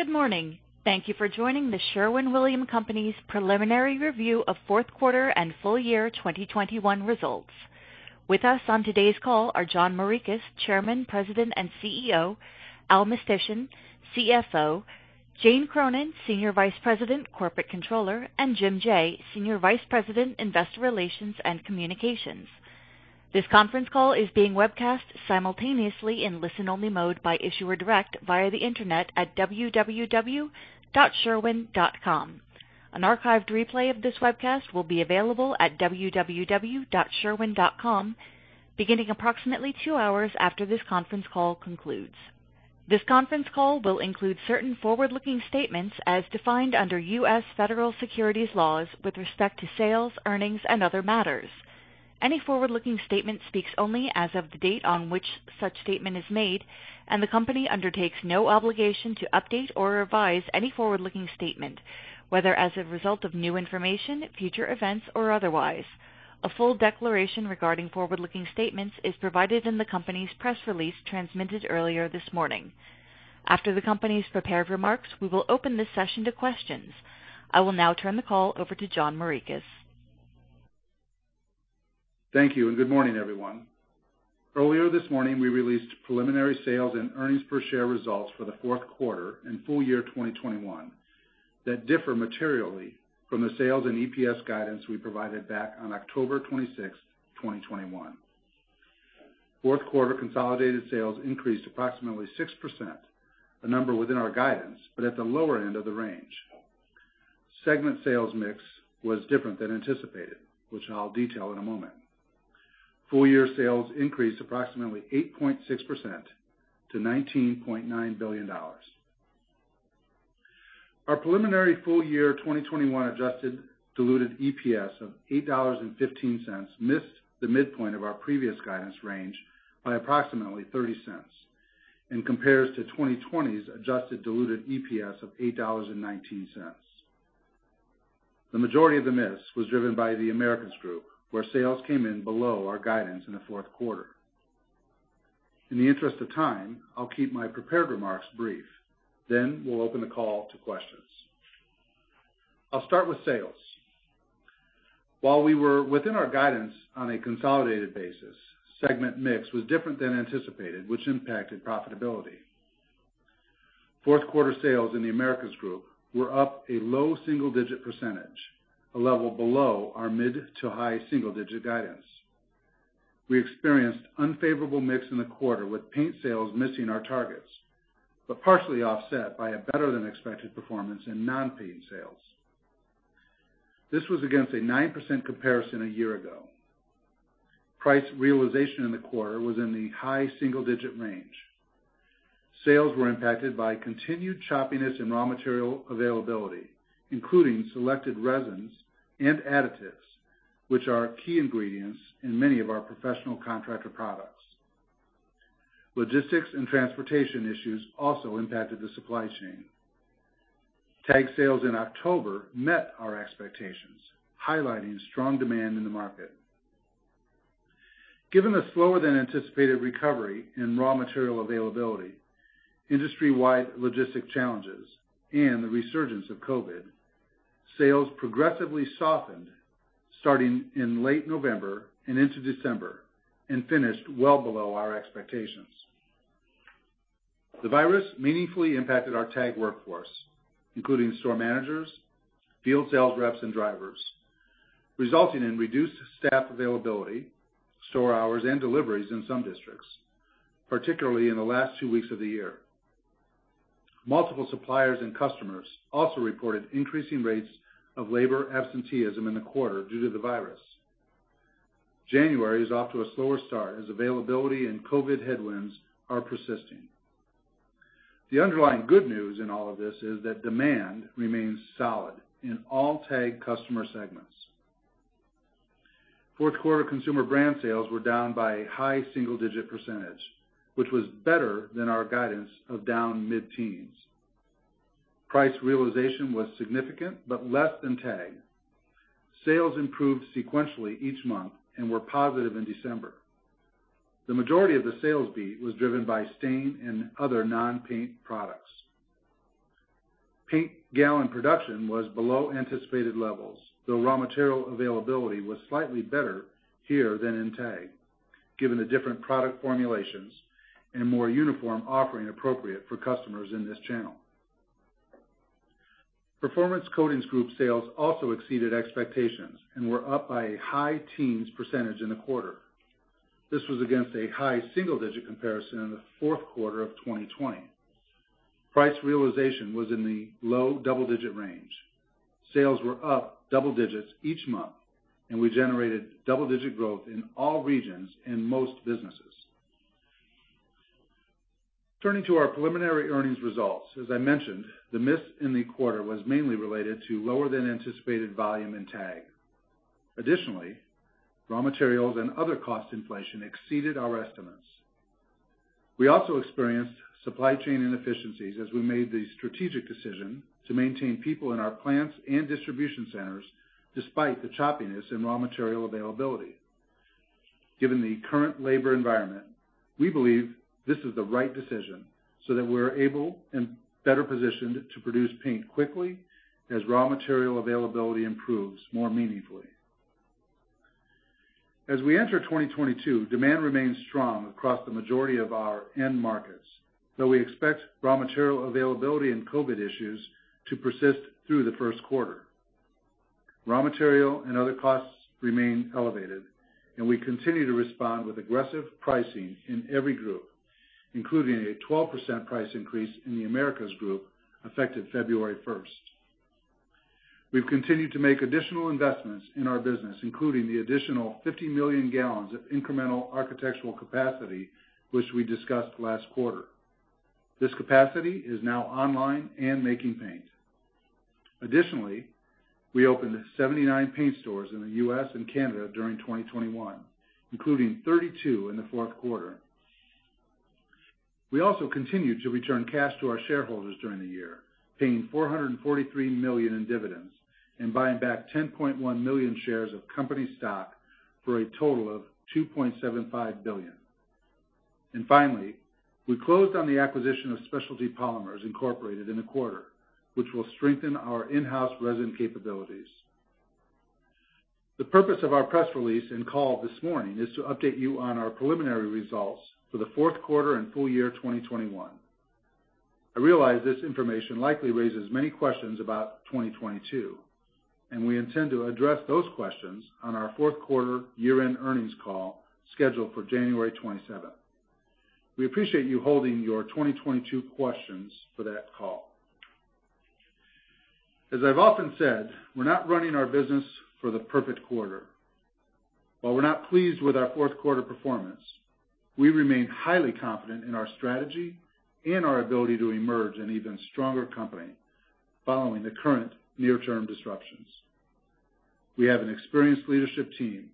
Good morning. Thank you for joining the Sherwin-Williams Company's Preliminary Review of Fourth Quarter and Full Year 2021 Results. With us on today's call are John Morikis, Chairman, President, and CEO, Al Mistysyn, CFO, Jane Cronin, Senior Vice President, Corporate Controller, and Jim Jaye, Senior Vice President, Investor Relations and Communications. This conference call is being webcast simultaneously in listen-only mode by Issuer Direct via the internet at www.sherwin.com. An archived replay of this webcast will be available at www.sherwin.com beginning approximately two hours after this conference call concludes. This conference call will include certain forward-looking statements as defined under U.S. Federal Securities laws with respect to sales, earnings, and other matters. Any forward-looking statement speaks only as of the date on which such statement is made, and the company undertakes no obligation to update or revise any forward-looking statement, whether as a result of new information, future events, or otherwise. A full declaration regarding forward-looking statements is provided in the company's press release transmitted earlier this morning. After the company's prepared remarks, we will open this session to questions. I will now turn the call over to John Morikis. Thank you, and good morning, everyone. Earlier this morning, we released preliminary sales and earnings per share results for the fourth quarter and full year 2021 that differ materially from the sales and EPS guidance we provided back on October 26, 2021. Fourth quarter consolidated sales increased approximately 6%, a number within our guidance, but at the lower end of the range. Segment sales mix was different than anticipated, which I'll detail in a moment. Full year sales increased approximately 8.6% to $19.9 billion. Our preliminary full year 2021 adjusted diluted EPS of $8.15 missed the midpoint of our previous guidance range by approximately $0.30 and compares to 2020's adjusted diluted EPS of $8.19. The majority of the miss was driven by The Americas Group, where sales came in below our guidance in the fourth quarter. In the interest of time, I'll keep my prepared remarks brief, then we'll open the call to questions. I'll start with sales. While we were within our guidance on a consolidated basis, segment mix was different than anticipated, which impacted profitability. Fourth quarter sales in The Americas Group were up a low single-digit percentage, a level below our mid to high single-digit guidance. We experienced unfavorable mix in the quarter with paint sales missing our targets, but partially offset by a better than expected performance in non-paint sales. This was against a 9% comparison a year ago. Price realization in the quarter was in the high single-digit range. Sales were impacted by continued choppiness in raw material availability, including selected resins and additives, which are key ingredients in many of our professional contractor products. Logistics and transportation issues also impacted the supply chain. TAG sales in October met our expectations, highlighting strong demand in the market. Given the slower than anticipated recovery in raw material availability, industry-wide logistic challenges, and the resurgence of COVID, sales progressively softened starting in late November and into December and finished well below our expectations. The virus meaningfully impacted our TAG workforce, including store managers, field sales reps, and drivers, resulting in reduced staff availability, store hours, and deliveries in some districts, particularly in the last two weeks of the year. Multiple suppliers and customers also reported increasing rates of labor absenteeism in the quarter due to the virus. January is off to a slower start as availability and COVID headwinds are persisting. The underlying good news in all of this is that demand remains solid in all TAG customer segments. Fourth quarter consumer brand sales were down by a high single-digit percentage, which was better than our guidance of down mid-teens percentage. Price realization was significant but less than TAG. Sales improved sequentially each month and were positive in December. The majority of the sales beat was driven by stain and other non-paint products. Paint gallon production was below anticipated levels, though raw material availability was slightly better here than in TAG, given the different product formulations and a more uniform offering appropriate for customers in this channel. Performance Coatings Group sales also exceeded expectations and were up by a high teens percentage in the quarter. This was against a high single-digit percentage comparison in the fourth quarter of 2020. Price realization was in the low double-digit percentage range. Sales were up double digits each month, and we generated double-digit growth in all regions and most businesses. Turning to our preliminary earnings results. As I mentioned, the miss in the quarter was mainly related to lower than anticipated volume in TAG. Additionally, raw materials and other cost inflation exceeded our estimates. We also experienced supply chain inefficiencies as we made the strategic decision to maintain people in our plants and distribution centers despite the choppiness in raw material availability. Given the current labor environment, we believe this is the right decision so that we're able and better positioned to produce paint quickly as raw material availability improves more meaningfully. As we enter 2022, demand remains strong across the majority of our end markets, though we expect raw material availability and COVID issues to persist through the first quarter. Raw material and other costs remain elevated, and we continue to respond with aggressive pricing in every group, including a 12% price increase in the Americas Group effective February 1st. We've continued to make additional investments in our business, including the additional 50 million gallons of incremental architectural capacity, which we discussed last quarter. This capacity is now online and making paint. Additionally, we opened 79 paint stores in the U.S. and Canada during 2021, including 32 in the fourth quarter. We also continued to return cash to our shareholders during the year, paying $443 million in dividends and buying back 10.1 million shares of company stock for a total of $2.75 billion. Finally, we closed on the acquisition of Specialty Polymers, Inc. in the quarter, which will strengthen our in-house resin capabilities. The purpose of our press release and call this morning is to update you on our preliminary results for the fourth quarter and full year 2021. I realize this information likely raises many questions about 2022, and we intend to address those questions on our fourth quarter year-end earnings call scheduled for January 27. We appreciate you holding your 2022 questions for that call. As I've often said, we're not running our business for the perfect quarter. While we're not pleased with our fourth quarter performance, we remain highly confident in our strategy and our ability to emerge an even stronger company following the current near-term disruptions. We have an experienced leadership team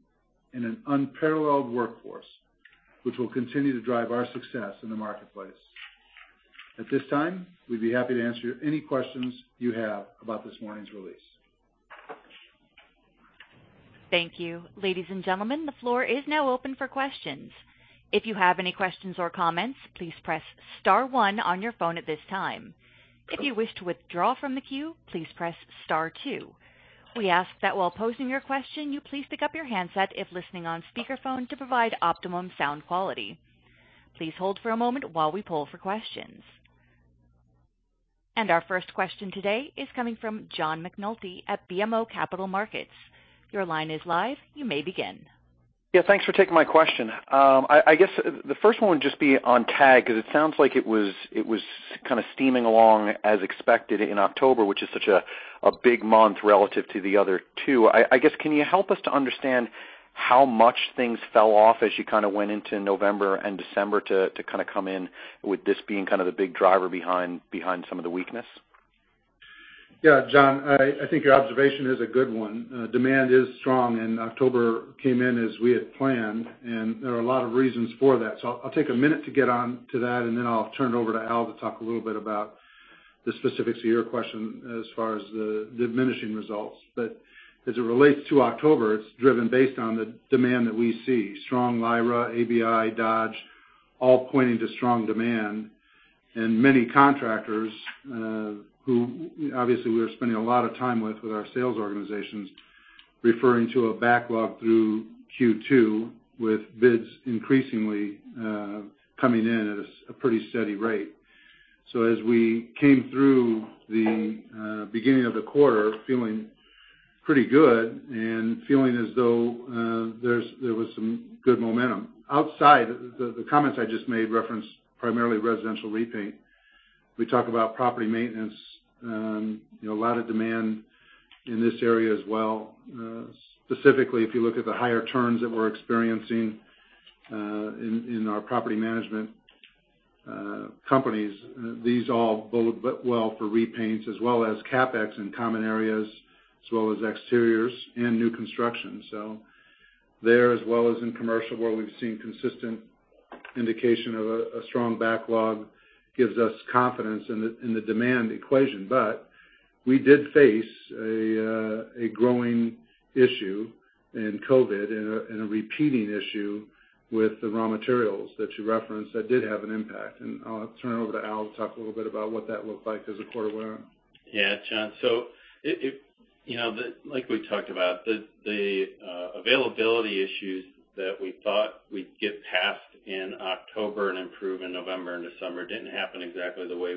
and an unparalleled workforce which will continue to drive our success in the marketplace. At this time, we'd be happy to answer any questions you have about this morning's release. Thank you. Ladies and gentlemen, the floor is now open for questions. If you have any questions or comments, please press star one on your phone at this time. If you wish to withdraw from the queue, please press star two. We ask that while posing your question, you please pick up your handset if listening on speakerphone to provide optimum sound quality. Please hold for a moment while we poll for questions. Our first question today is coming from John McNulty at BMO Capital Markets. Your line is live, you may begin. Yeah, thanks for taking my question. I guess the first one would just be on TAG 'cause it sounds like it was kinda steaming along as expected in October, which is such a big month relative to the other two. I guess, can you help us to understand how much things fell off as you kinda went into November and December to kinda come in with this being kind of the big driver behind some of the weakness? Yeah, John, I think your observation is a good one. Demand is strong, and October came in as we had planned, and there are a lot of reasons for that. I'll take a minute to get on to that, and then I'll turn it over to Al to talk a little bit about the specifics of your question as far as the diminishing results. As it relates to October, it's driven based on the demand that we see. Strong LIRA, ABI, Dodge, all pointing to strong demand, and many contractors who obviously we are spending a lot of time with our sales organizations referring to a backlog through Q2 with bids increasingly coming in at a pretty steady rate. As we came through the beginning of the quarter feeling pretty good and feeling as though there was some good momentum. Outside, the comments I just made reference primarily residential repaint. We talk about property maintenance, you know, a lot of demand in this area as well, specifically if you look at the higher turns that we're experiencing in our property management companies. These all bode well for repaints as well as CapEx in common areas, as well as exteriors and new construction. There, as well as in commercial, where we've seen consistent indication of a strong backlog, gives us confidence in the demand equation. But we did face a growing issue in COVID and a repeating issue with the raw materials that you referenced that did have an impact. I'll turn it over to Al to talk a little bit about what that looked like as the quarter went on. Yeah, John. So, you know, like we talked about, the availability issues that we thought we'd get past in October and improve in November and December didn't happen exactly the way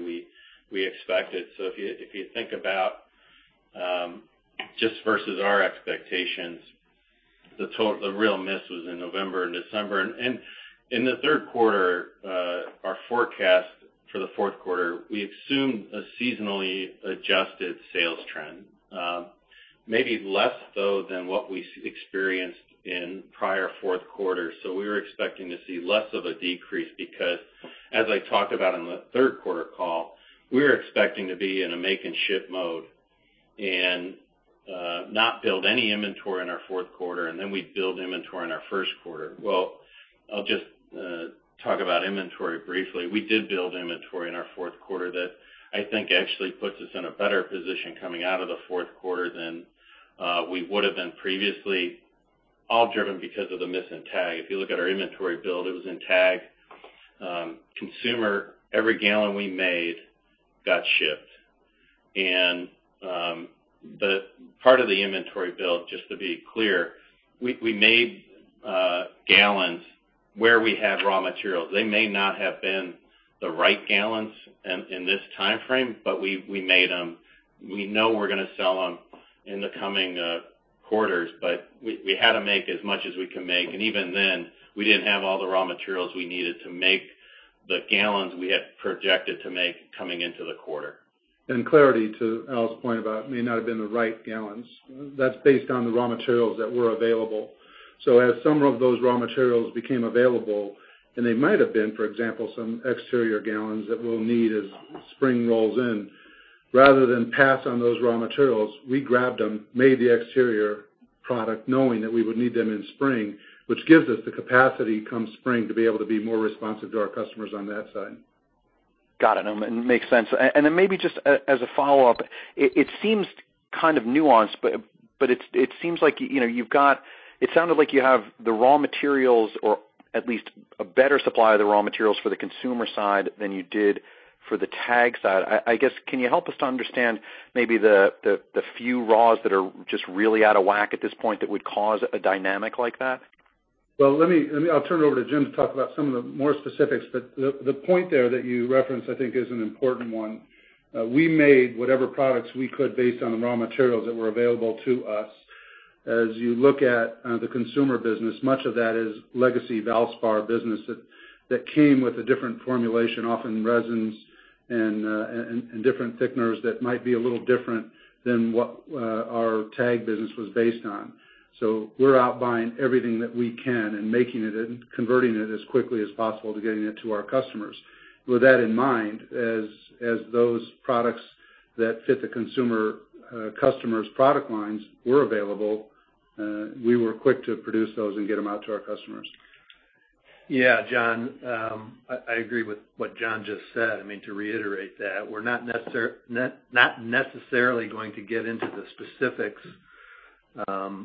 we expected. If you think about just versus our expectations, the real miss was in November and December. In the third quarter, our forecast for the fourth quarter, we assumed a seasonally adjusted sales trend, maybe less so than what we experienced in prior fourth quarters. We were expecting to see less of a decrease because, as I talked about on the third quarter call, we were expecting to be in a make-and-ship mode and not build any inventory in our fourth quarter, and then we'd build inventory in our first quarter. Well, I'll just talk about inventory briefly. We did build inventory in our fourth quarter that I think actually puts us in a better position coming out of the fourth quarter than we would have been previously, all driven because of the miss in TAG. If you look at our inventory build, it was in TAG. Consumer, every gallon we made got shipped. The part of the inventory build, just to be clear, we made gallons where we had raw materials. They may not have been the right gallons in this time frame, but we made them. We know we're gonna sell them in the coming quarters, but we had to make as much as we can make. Even then, we didn't have all the raw materials we needed to make the gallons we had projected to make coming into the quarter. Clarity to Al's point about may not have been the right gallons. That's based on the raw materials that were available. As some of those raw materials became available, and they might have been, for example, some exterior gallons that we'll need as spring rolls in, rather than pass on those raw materials, we grabbed them, made the exterior product knowing that we would need them in spring, which gives us the capacity come spring to be able to be more responsive to our customers on that side. Got it. Makes sense. Then maybe just as a follow-up, it seems kind of nuanced, but it seems like, you know, it sounded like you have the raw materials or at least a better supply of the raw materials for the consumer side than you did for the TAG side. I guess, can you help us to understand maybe the few raws that are just really out of whack at this point that would cause a dynamic like that? Well, let me I'll turn it over to Jim to talk about some of the more specifics. The point there that you referenced, I think is an important one. We made whatever products we could based on the raw materials that were available to us. As you look at the consumer business, much of that is legacy Valspar business that came with a different formulation, often resins and different thickeners that might be a little different than what our TAG business was based on. We're out buying everything that we can and making it and converting it as quickly as possible to getting it to our customers. With that in mind, as those products that fit the consumer customer's product lines were available, we were quick to produce those and get them out to our customers. Yeah, John, I agree with what John just said. I mean, to reiterate that, we're not necessarily going to get into the specifics of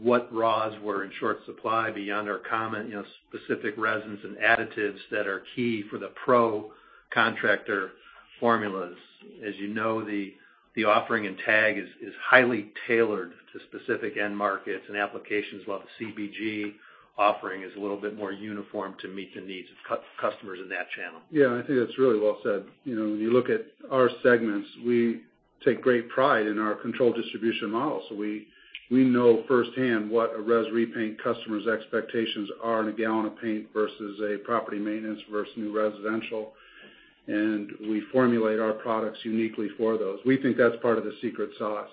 what raws were in short supply beyond our common, you know, specific resins and additives that are key for the pro contractor formulas. As you know, the offering in TAG is highly tailored to specific end markets and applications, while the CPG offering is a little bit more uniform to meet the needs of customers in that channel. Yeah, I think that's really well said. You know, when you look at our segments, we take great pride in our controlled distribution model. We know firsthand what a Res Repaint customer's expectations are in a gallon of paint versus a property maintenance versus new residential. We formulate our products uniquely for those. We think that's part of the secret sauce.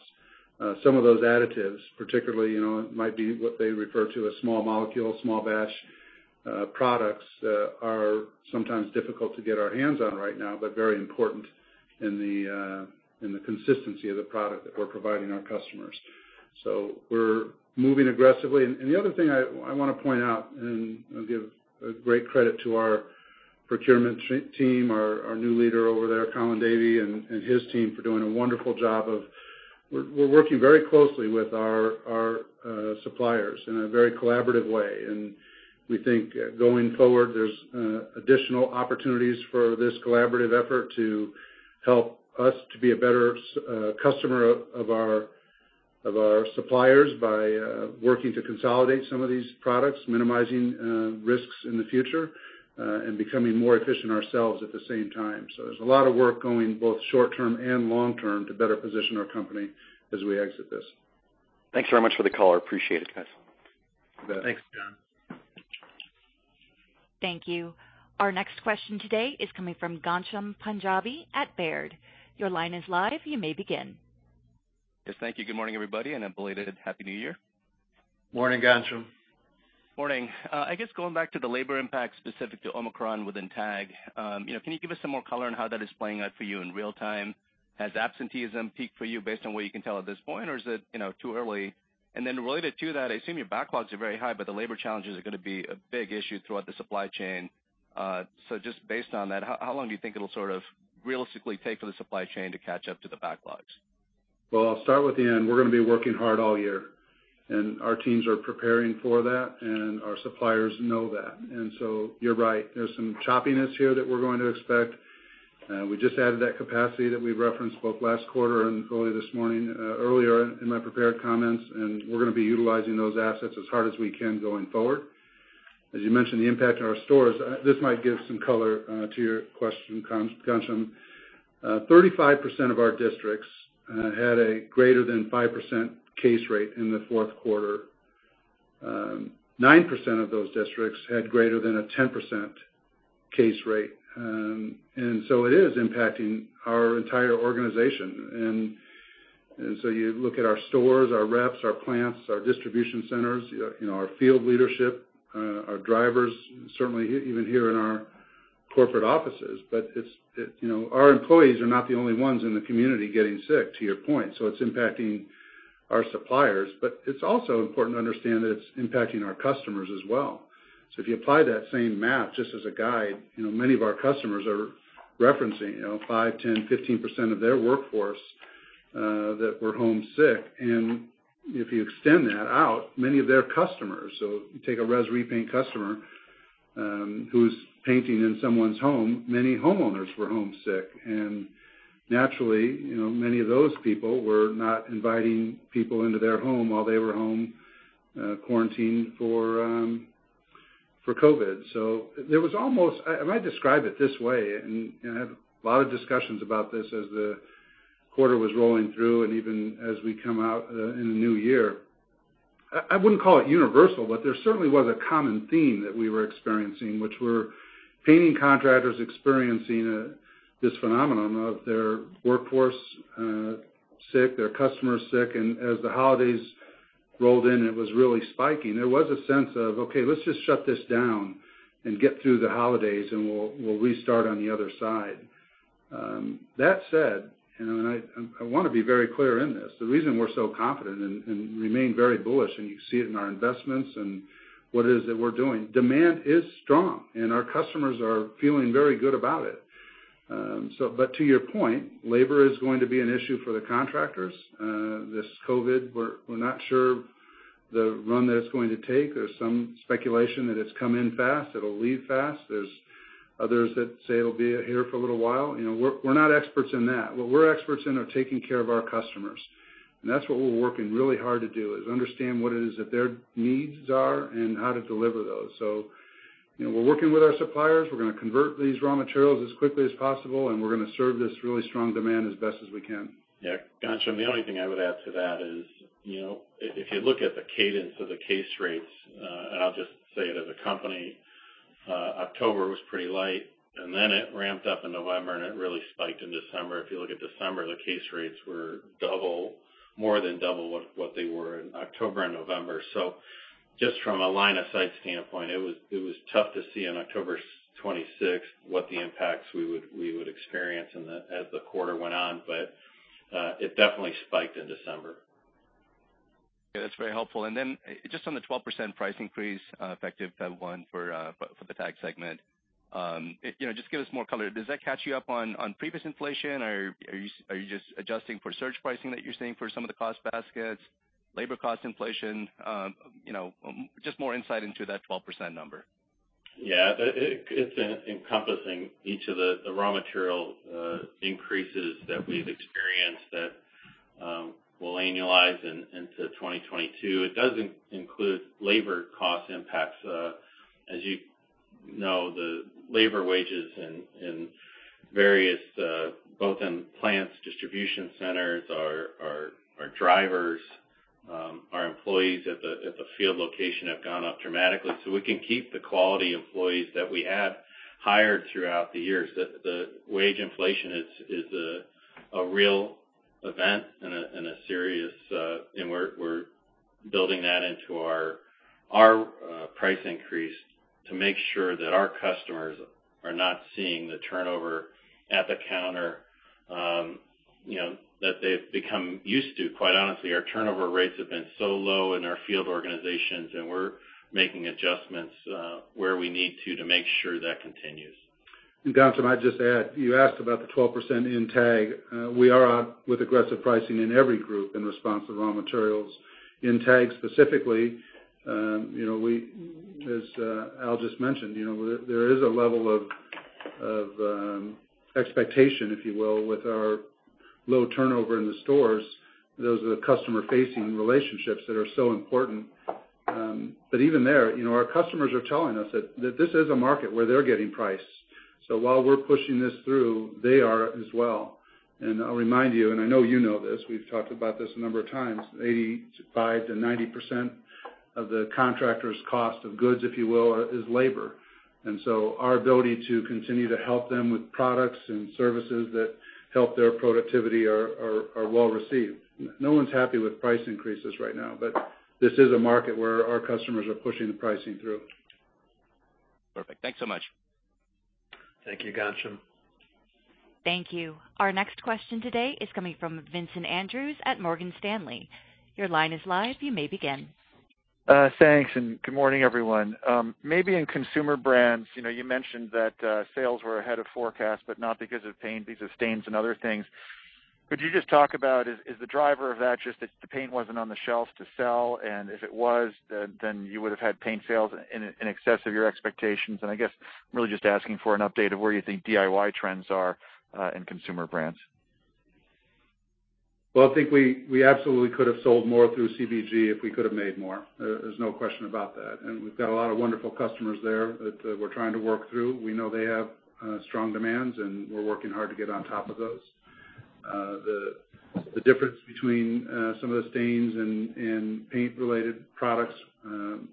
Some of those additives, particularly, you know, it might be what they refer to as small molecule, small batch products, are sometimes difficult to get our hands on right now, but very important in the consistency of the product that we're providing our customers. We're moving aggressively. The other thing I wanna point out and give great credit to our procurement team, our new leader over there, Karl Jorgenrud, and his team for doing a wonderful job of working very closely with our suppliers in a very collaborative way. We think going forward, there's additional opportunities for this collaborative effort to help us to be a better customer of our suppliers by working to consolidate some of these products, minimizing risks in the future, and becoming more efficient ourselves at the same time. There's a lot of work going both short term and long term to better position our company as we exit this. Thanks very much for the call. I appreciate it, guys. You bet. Thanks, John. Thank you. Our next question today is coming from Ghansham Panjabi at Baird. Your line is live. You may begin. Yes, thank you. Good morning, everybody, and a belated Happy New Year. Morning, Ghansham. Morning. I guess going back to the labor impact specific to Omicron within TAG, can you give us some more color on how that is playing out for you in real time? Has absenteeism peaked for you based on what you can tell at this point, or is it too early? Related to that, I assume your backlogs are very high, but the labor challenges are gonna be a big issue throughout the supply chain. Just based on that, how long do you think it'll sort of realistically take for the supply chain to catch up to the backlogs? Well, I'll start with the end. We're gonna be working hard all year, and our teams are preparing for that, and our suppliers know that. You're right. There's some choppiness here that we're going to expect. We just added that capacity that we referenced both last quarter and earlier this morning, earlier in my prepared comments, and we're gonna be utilizing those assets as hard as we can going forward. As you mentioned, the impact on our stores, this might give some color to your question, Ghansham. 35% of our districts had a greater than 5% case rate in the fourth quarter. 9% of those districts had greater than a 10% case rate. It is impacting our entire organization. You look at our stores, our reps, our plants, our distribution centers, you know, our field leadership, our drivers, certainly even here in our corporate offices, but you know, our employees are not the only ones in the community getting sick, to your point, so it's impacting our suppliers. It's also important to understand that it's impacting our customers as well. If you apply that same math, just as a guide, you know, many of our customers are referencing, you know, 5%, 10%, 15% of their workforce that were home sick. If you extend that out, many of their customers. If you take a Res Repaint customer, who's painting in someone's home, many homeowners were home sick. Naturally, you know, many of those people were not inviting people into their home while they were home quarantined for COVID. There was almost—I might describe it this way, and I have a lot of discussions about this as the quarter was rolling through and even as we come out in the new year. I wouldn't call it universal, but there certainly was a common theme that we were experiencing, which painting contractors were experiencing this phenomenon of their workforce sick, their customers sick, and as the holidays rolled in, it was really spiking. There was a sense of, okay, let's just shut this down and get through the holidays and we'll restart on the other side. That said, I wanna be very clear in this, the reason we're so confident and remain very bullish, and you see it in our investments and what it is that we're doing, demand is strong and our customers are feeling very good about it. But to your point, labor is going to be an issue for the contractors. This COVID, we're not sure the run that it's going to take. There's some speculation that it's come in fast, it'll leave fast. There's others that say it'll be here for a little while. You know, we're not experts in that. What we're experts in are taking care of our customers, and that's what we're working really hard to do, is understand what it is that their needs are and how to deliver those. You know, we're working with our suppliers. We're gonna convert these raw materials as quickly as possible, and we're gonna serve this really strong demand as best as we can. Yeah. Ghansham, the only thing I would add to that is, you know, if you look at the cadence of the case rates, and I'll just say it as a company, October was pretty light, and then it ramped up in November and it really spiked in December. If you look at December, the case rates were double, more than double what they were in October and November. Just from a line of sight standpoint, it was tough to see on October 26th what the impacts we would experience as the quarter went on. It definitely spiked in December. Yeah, that's very helpful. Just on the 12% price increase, effective Feb one for the TAG segment. You know, just give us more color. Does that catch you up on previous inflation or are you just adjusting for surcharge pricing that you're seeing for some of the cost baskets, labor cost inflation? You know, just more insight into that 12% number. Yeah. It's encompassing each of the raw material increases that we've experienced that will annualize into 2022. It doesn't include labor cost impacts. As you know, the labor wages in various both in plants, distribution centers, our drivers, our employees at the field location have gone up dramatically. We can keep the quality employees that we have hired throughout the years. The wage inflation is a real and serious event. We're building that into our price increase to make sure that our customers are not seeing the turnover at the counter, you know, that they've become used to. Quite honestly, our turnover rates have been so low in our field organizations and we're making adjustments, where we need to make sure that continues. Ghansham, I'd just add, you asked about the 12% in TAG. We are out with aggressive pricing in every group in response to raw materials. In TAG specifically, you know, we, as Al just mentioned, you know, there is a level of expectation, if you will, with our low turnover in the stores. Those are the customer-facing relationships that are so important. But even there, you know, our customers are telling us that this is a market where they're getting priced. So while we're pushing this through, they are as well. I'll remind you, and I know you know this, we've talked about this a number of times, 85%-90% of the contractors' cost of goods, if you will, is labor. Our ability to continue to help them with products and services that help their productivity are well received. No one's happy with price increases right now, but this is a market where our customers are pushing the pricing through. Perfect. Thanks so much. Thank you, Ghansham. Thank you. Our next question today is coming from Vincent Andrews at Morgan Stanley. Your line is live. You may begin. Thanks, good morning, everyone. Maybe in consumer brands, you know, you mentioned that sales were ahead of forecast, but not because of paint, because of stains and other things. Could you just talk about is the driver of that just that the paint wasn't on the shelves to sell, and if it was, then you would've had paint sales in excess of your expectations? I guess I'm really just asking for an update of where you think DIY trends are in consumer brands. Well, I think we absolutely could have sold more through CBG if we could have made more. There's no question about that. We've got a lot of wonderful customers there that we're trying to work through. We know they have strong demands, and we're working hard to get on top of those. The difference between some of the stains and paint-related products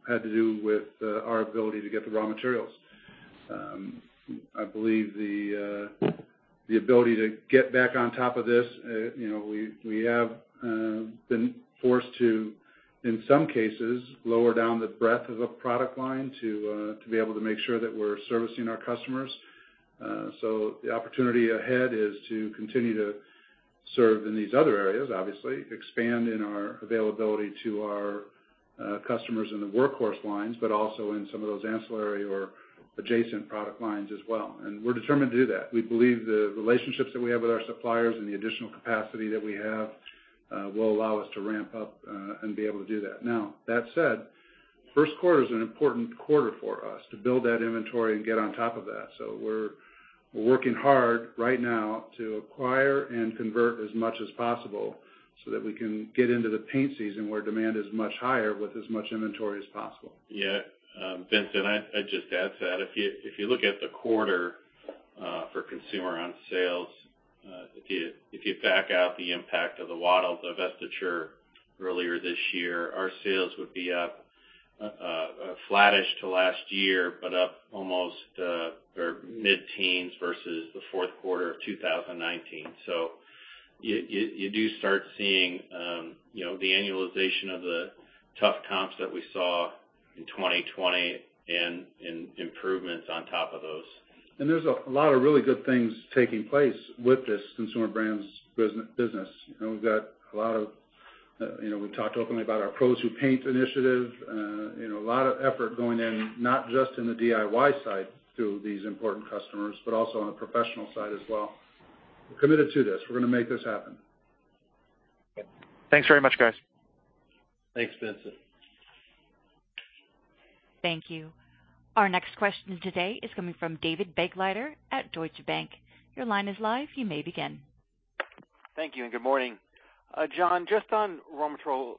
had to do with our ability to get the raw materials. I believe the ability to get back on top of this, you know, we have been forced to, in some cases, lower down the breadth of a product line to be able to make sure that we're servicing our customers. The opportunity ahead is to continue to serve in these other areas, obviously, expand in our availability to our customers in the workhorse lines, but also in some of those ancillary or adjacent product lines as well. We're determined to do that. We believe the relationships that we have with our suppliers and the additional capacity that we have will allow us to ramp up and be able to do that. Now, that said, first quarter is an important quarter for us to build that inventory and get on top of that. We're working hard right now to acquire and convert as much as possible so that we can get into the paint season where demand is much higher with as much inventory as possible. Yeah. Vincent, I'd just add to that. If you look at the quarter for consumer on sales, if you back out the impact of the Wattyl divestiture earlier this year, our sales would be up flattish to last year, but up almost or mid-teens versus the fourth quarter of 2019. You do start seeing you know the annualization of the tough comps that we saw in 2020 and improvements on top of those. There's a lot of really good things taking place with this consumer brands business. You know, we've got a lot of, you know, we've talked openly about our Pros Who Paint initiative. You know, a lot of effort going in, not just in the DIY side to these important customers, but also on the professional side as well. We're committed to this. We're gonna make this happen. Thanks very much, guys. Thanks, Vincent. Thank you. Our next question today is coming from David Begleiter at Deutsche Bank. Your line is live. You may begin. Thank you and good morning. John, just on raw material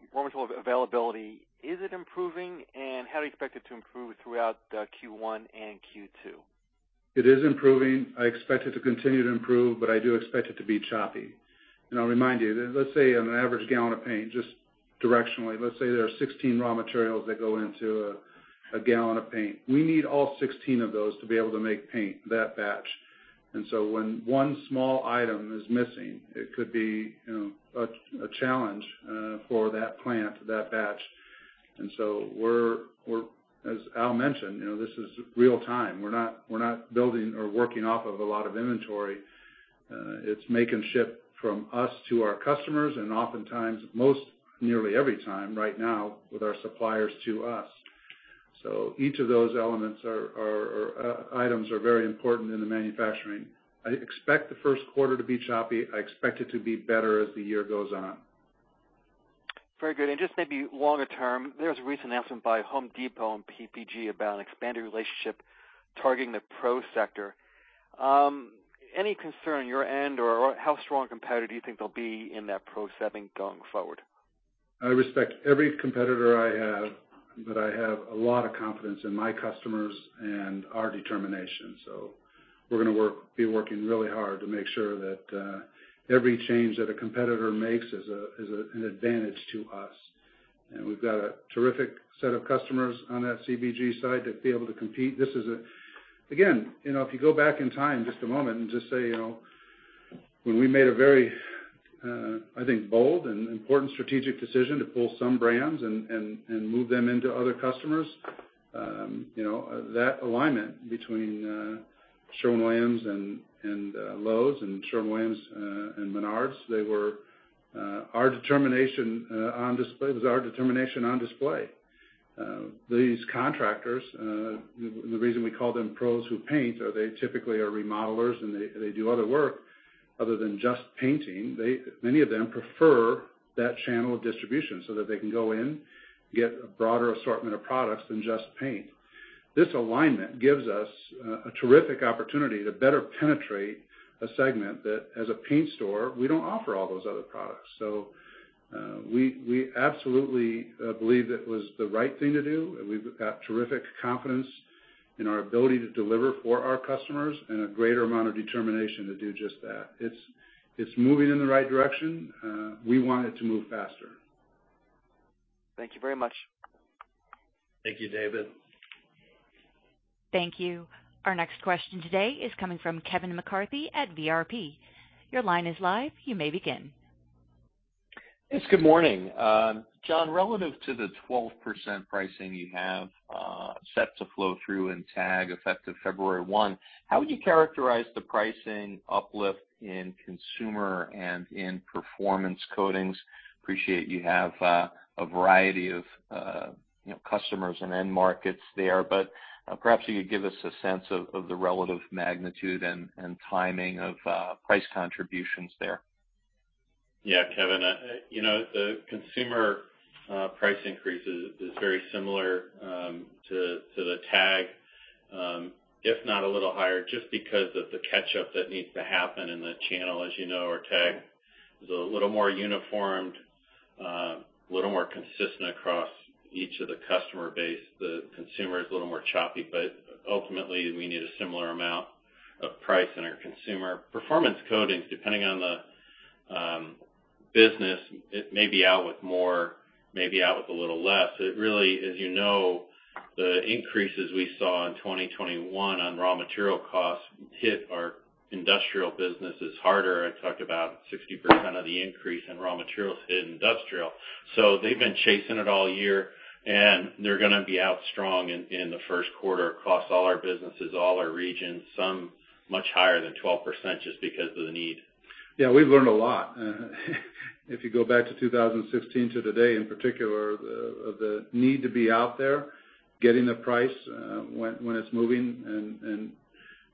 availability, is it improving? How do you expect it to improve throughout Q1 and Q2? It is improving. I expect it to continue to improve, but I do expect it to be choppy. I'll remind you, let's say on an average gallon of paint, just directionally, let's say there are 16 raw materials that go into a gallon of paint. We need all 16 of those to be able to make paint, that batch. When one small item is missing, it could be, you know, a challenge for that plant, that batch. We're as Al mentioned, you know, this is real time. We're not building or working off of a lot of inventory. It's make and ship from us to our customers, and oftentimes, nearly every time right now, with our suppliers to us. Each of those elements are items are very important in the manufacturing. I expect the first quarter to be choppy. I expect it to be better as the year goes on. Very good. Just maybe longer term, there was a recent announcement by Home Depot and PPG about an expanded relationship targeting the pro sector. Any concern on your end, or how strong a competitor do you think they'll be in that pro setting going forward? I respect every competitor I have, but I have a lot of confidence in my customers and our determination. We're gonna be working really hard to make sure that every change that a competitor makes is an advantage to us. We've got a terrific set of customers on that CPG side to be able to compete. This is again, you know, if you go back in time just a moment and just say, you know, when we made a very, I think, bold and important strategic decision to pull some brands and move them into other customers, you know, that alignment between Sherwin-Williams and Lowe's and Sherwin-Williams and Menards. They were our determination on display. It was our determination on display. These contractors, the reason we call them Pros Who Paint are they typically are remodelers, and they do other work other than just painting. They, many of them prefer that channel of distribution so that they can go in, get a broader assortment of products than just paint. This alignment gives us a terrific opportunity to better penetrate a segment that as a paint store, we don't offer all those other products. We absolutely believe that was the right thing to do, and we've got terrific confidence in our ability to deliver for our customers and a greater amount of determination to do just that. It's moving in the right direction. We want it to move faster. Thank you very much. Thank you, David. Thank you. Our next question today is coming from Kevin McCarthy at VRP. Your line is live. You may begin. Yes, good morning. John, relative to the 12% pricing you have set to flow through in TAG effective February 1, how would you characterize the pricing uplift in Consumer and in Performance Coatings? I appreciate you have a variety of, you know, customers and end markets there, but perhaps you could give us a sense of the relative magnitude and timing of price contributions there. Yeah, Kevin. You know, the consumer price increase is very similar to the TAG, if not a little higher, just because of the catch-up that needs to happen in the channel. As you know, our TAG is a little more uniform, a little more consistent across each of the customer base. The consumer is a little more choppy, but ultimately, we need a similar amount of price in our consumer. Performance Coatings, depending on the- business, it may be out with more, may be out with a little less. It really, as you know, the increases we saw in 2021 on raw material costs hit our industrial businesses harder. I talked about 60% of the increase in raw materials hit industrial. They've been chasing it all year, and they're gonna be out strong in the first quarter across all our businesses, all our regions, some much higher than 12% just because of the need. Yeah, we've learned a lot. If you go back to 2016 to today, in particular, the need to be out there, getting the price, when it's moving and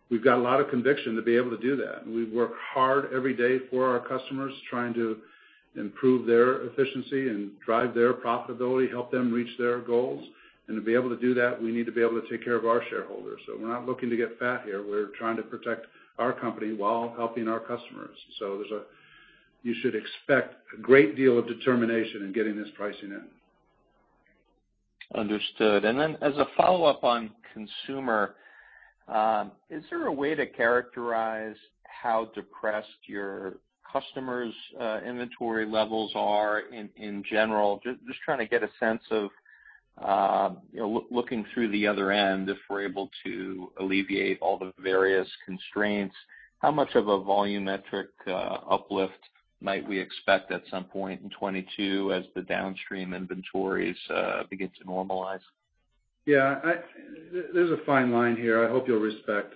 we've got a lot of conviction to be able to do that. We work hard every day for our customers, trying to improve their efficiency and drive their profitability, help them reach their goals. To be able to do that, we need to be able to take care of our shareholders. We're not looking to get fat here. We're trying to protect our company while helping our customers. You should expect a great deal of determination in getting this pricing in. Understood. As a follow-up on consumer, is there a way to characterize how depressed your customers' inventory levels are in general? Just trying to get a sense of, you know, looking through the other end, if we're able to alleviate all the various constraints, how much of a volumetric uplift might we expect at some point in 2022 as the downstream inventories begin to normalize? There's a fine line here I hope you'll respect.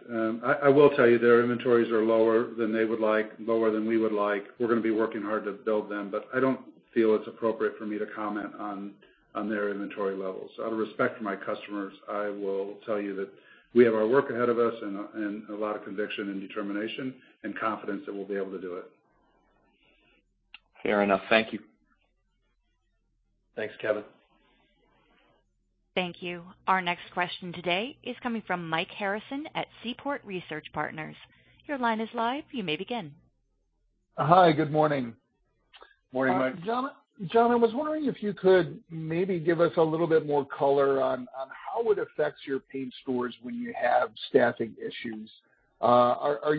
I will tell you their inventories are lower than they would like, lower than we would like. We're gonna be working hard to build them, but I don't feel it's appropriate for me to comment on their inventory levels. Out of respect for my customers, I will tell you that we have our work ahead of us and a lot of conviction and determination and confidence that we'll be able to do it. Fair enough. Thank you. Thanks, Kevin. Thank you. Our next question today is coming from Mike Harrison at Seaport Research Partners. Your line is live. You may begin. Hi. Good morning. Morning, Mike. John, I was wondering if you could maybe give us a little bit more color on how it affects your paint stores when you have staffing issues.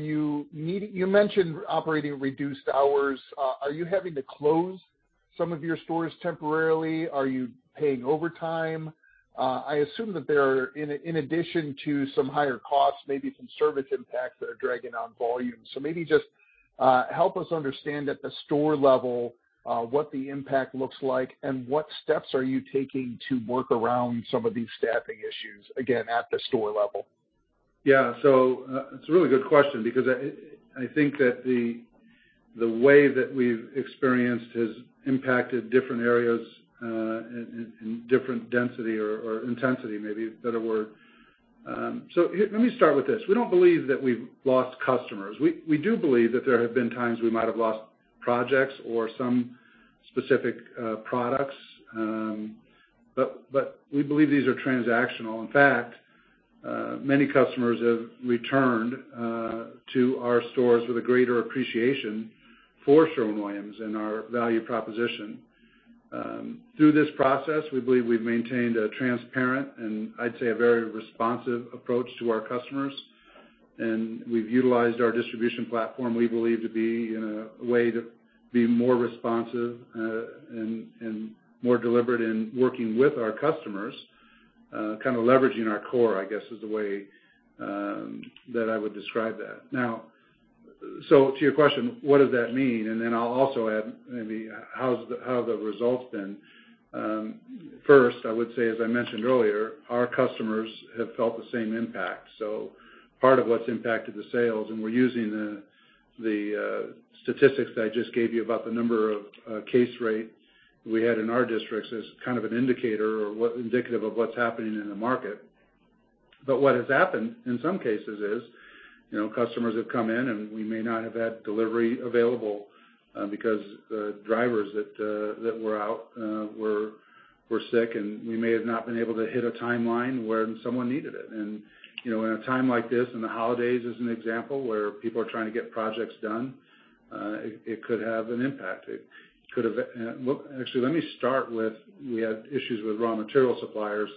You mentioned operating reduced hours. Are you having to close some of your stores temporarily? Are you paying overtime? I assume that there are, in addition to some higher costs, maybe some service impacts that are dragging on volume. Maybe just help us understand at the store level what the impact looks like and what steps are you taking to work around some of these staffing issues, again, at the store level? Yeah. It's a really good question because I think that the way that we've experienced has impacted different areas in different density or intensity, maybe a better word. Let me start with this. We don't believe that we've lost customers. We do believe that there have been times we might have lost projects or some specific products, but we believe these are transactional. In fact, many customers have returned to our stores with a greater appreciation for Sherwin-Williams and our value proposition. Through this process, we believe we've maintained a transparent and I'd say a very responsive approach to our customers, and we've utilized our distribution platform we believe to be in a way to be more responsive, and more deliberate in working with our customers, kind of leveraging our core, I guess, is the way that I would describe that. To your question, what does that mean? I'll also add maybe how have the results been. First, I would say, as I mentioned earlier, our customers have felt the same impact. Part of what's impacted the sales, and we're using the statistics that I just gave you about the number of case rate we had in our districts as kind of an indicator indicative of what's happening in the market. What has happened in some cases is, you know, customers have come in and we may not have had delivery available, because the drivers that were out were sick, and we may have not been able to hit a timeline when someone needed it. You know, in a time like this, in the holidays as an example, where people are trying to get projects done, it could have an impact. It could have. Well, actually, let me start with, we had issues with raw material suppliers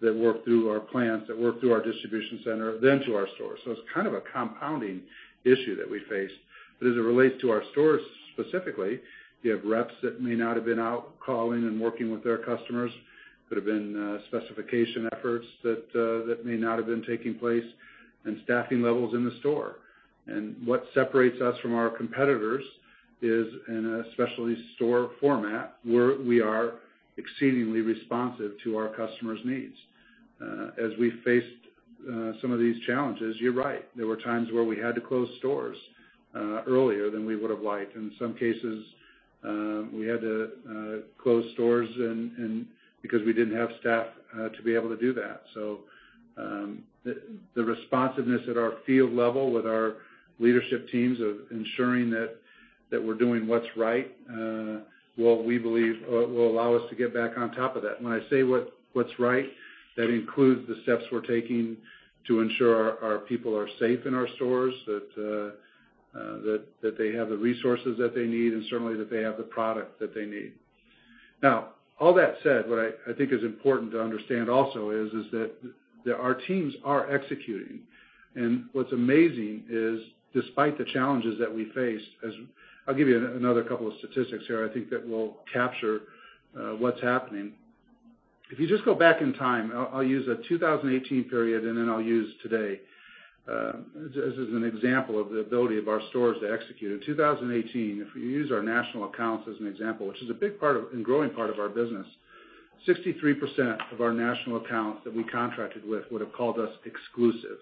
that work through our plants, that work through our distribution center, then to our stores. So it's kind of a compounding issue that we faced. As it relates to our stores specifically, you have reps that may not have been out calling and working with their customers, could have been specification efforts that that may not have been taking place and staffing levels in the store. What separates us from our competitors is in a specialty store format where we are exceedingly responsive to our customers' needs. As we faced some of these challenges, you're right. There were times where we had to close stores earlier than we would have liked. In some cases, we had to close stores and because we didn't have staff to be able to do that. The responsiveness at our field level with our leadership teams of ensuring that we're doing what's right, what we believe will allow us to get back on top of that. When I say what's right, that includes the steps we're taking to ensure our people are safe in our stores, that they have the resources that they need and certainly that they have the product that they need. Now, all that said, what I think is important to understand also is that our teams are executing. What's amazing is despite the challenges that we face, I'll give you another couple of statistics here, I think, that will capture what's happening. If you just go back in time, I'll use a 2018 period, and then I'll use today as an example of the ability of our stores to execute. In 2018, if we use our national accounts as an example, which is a big part of and growing part of our business, 63% of our national accounts that we contracted with would've called us exclusive.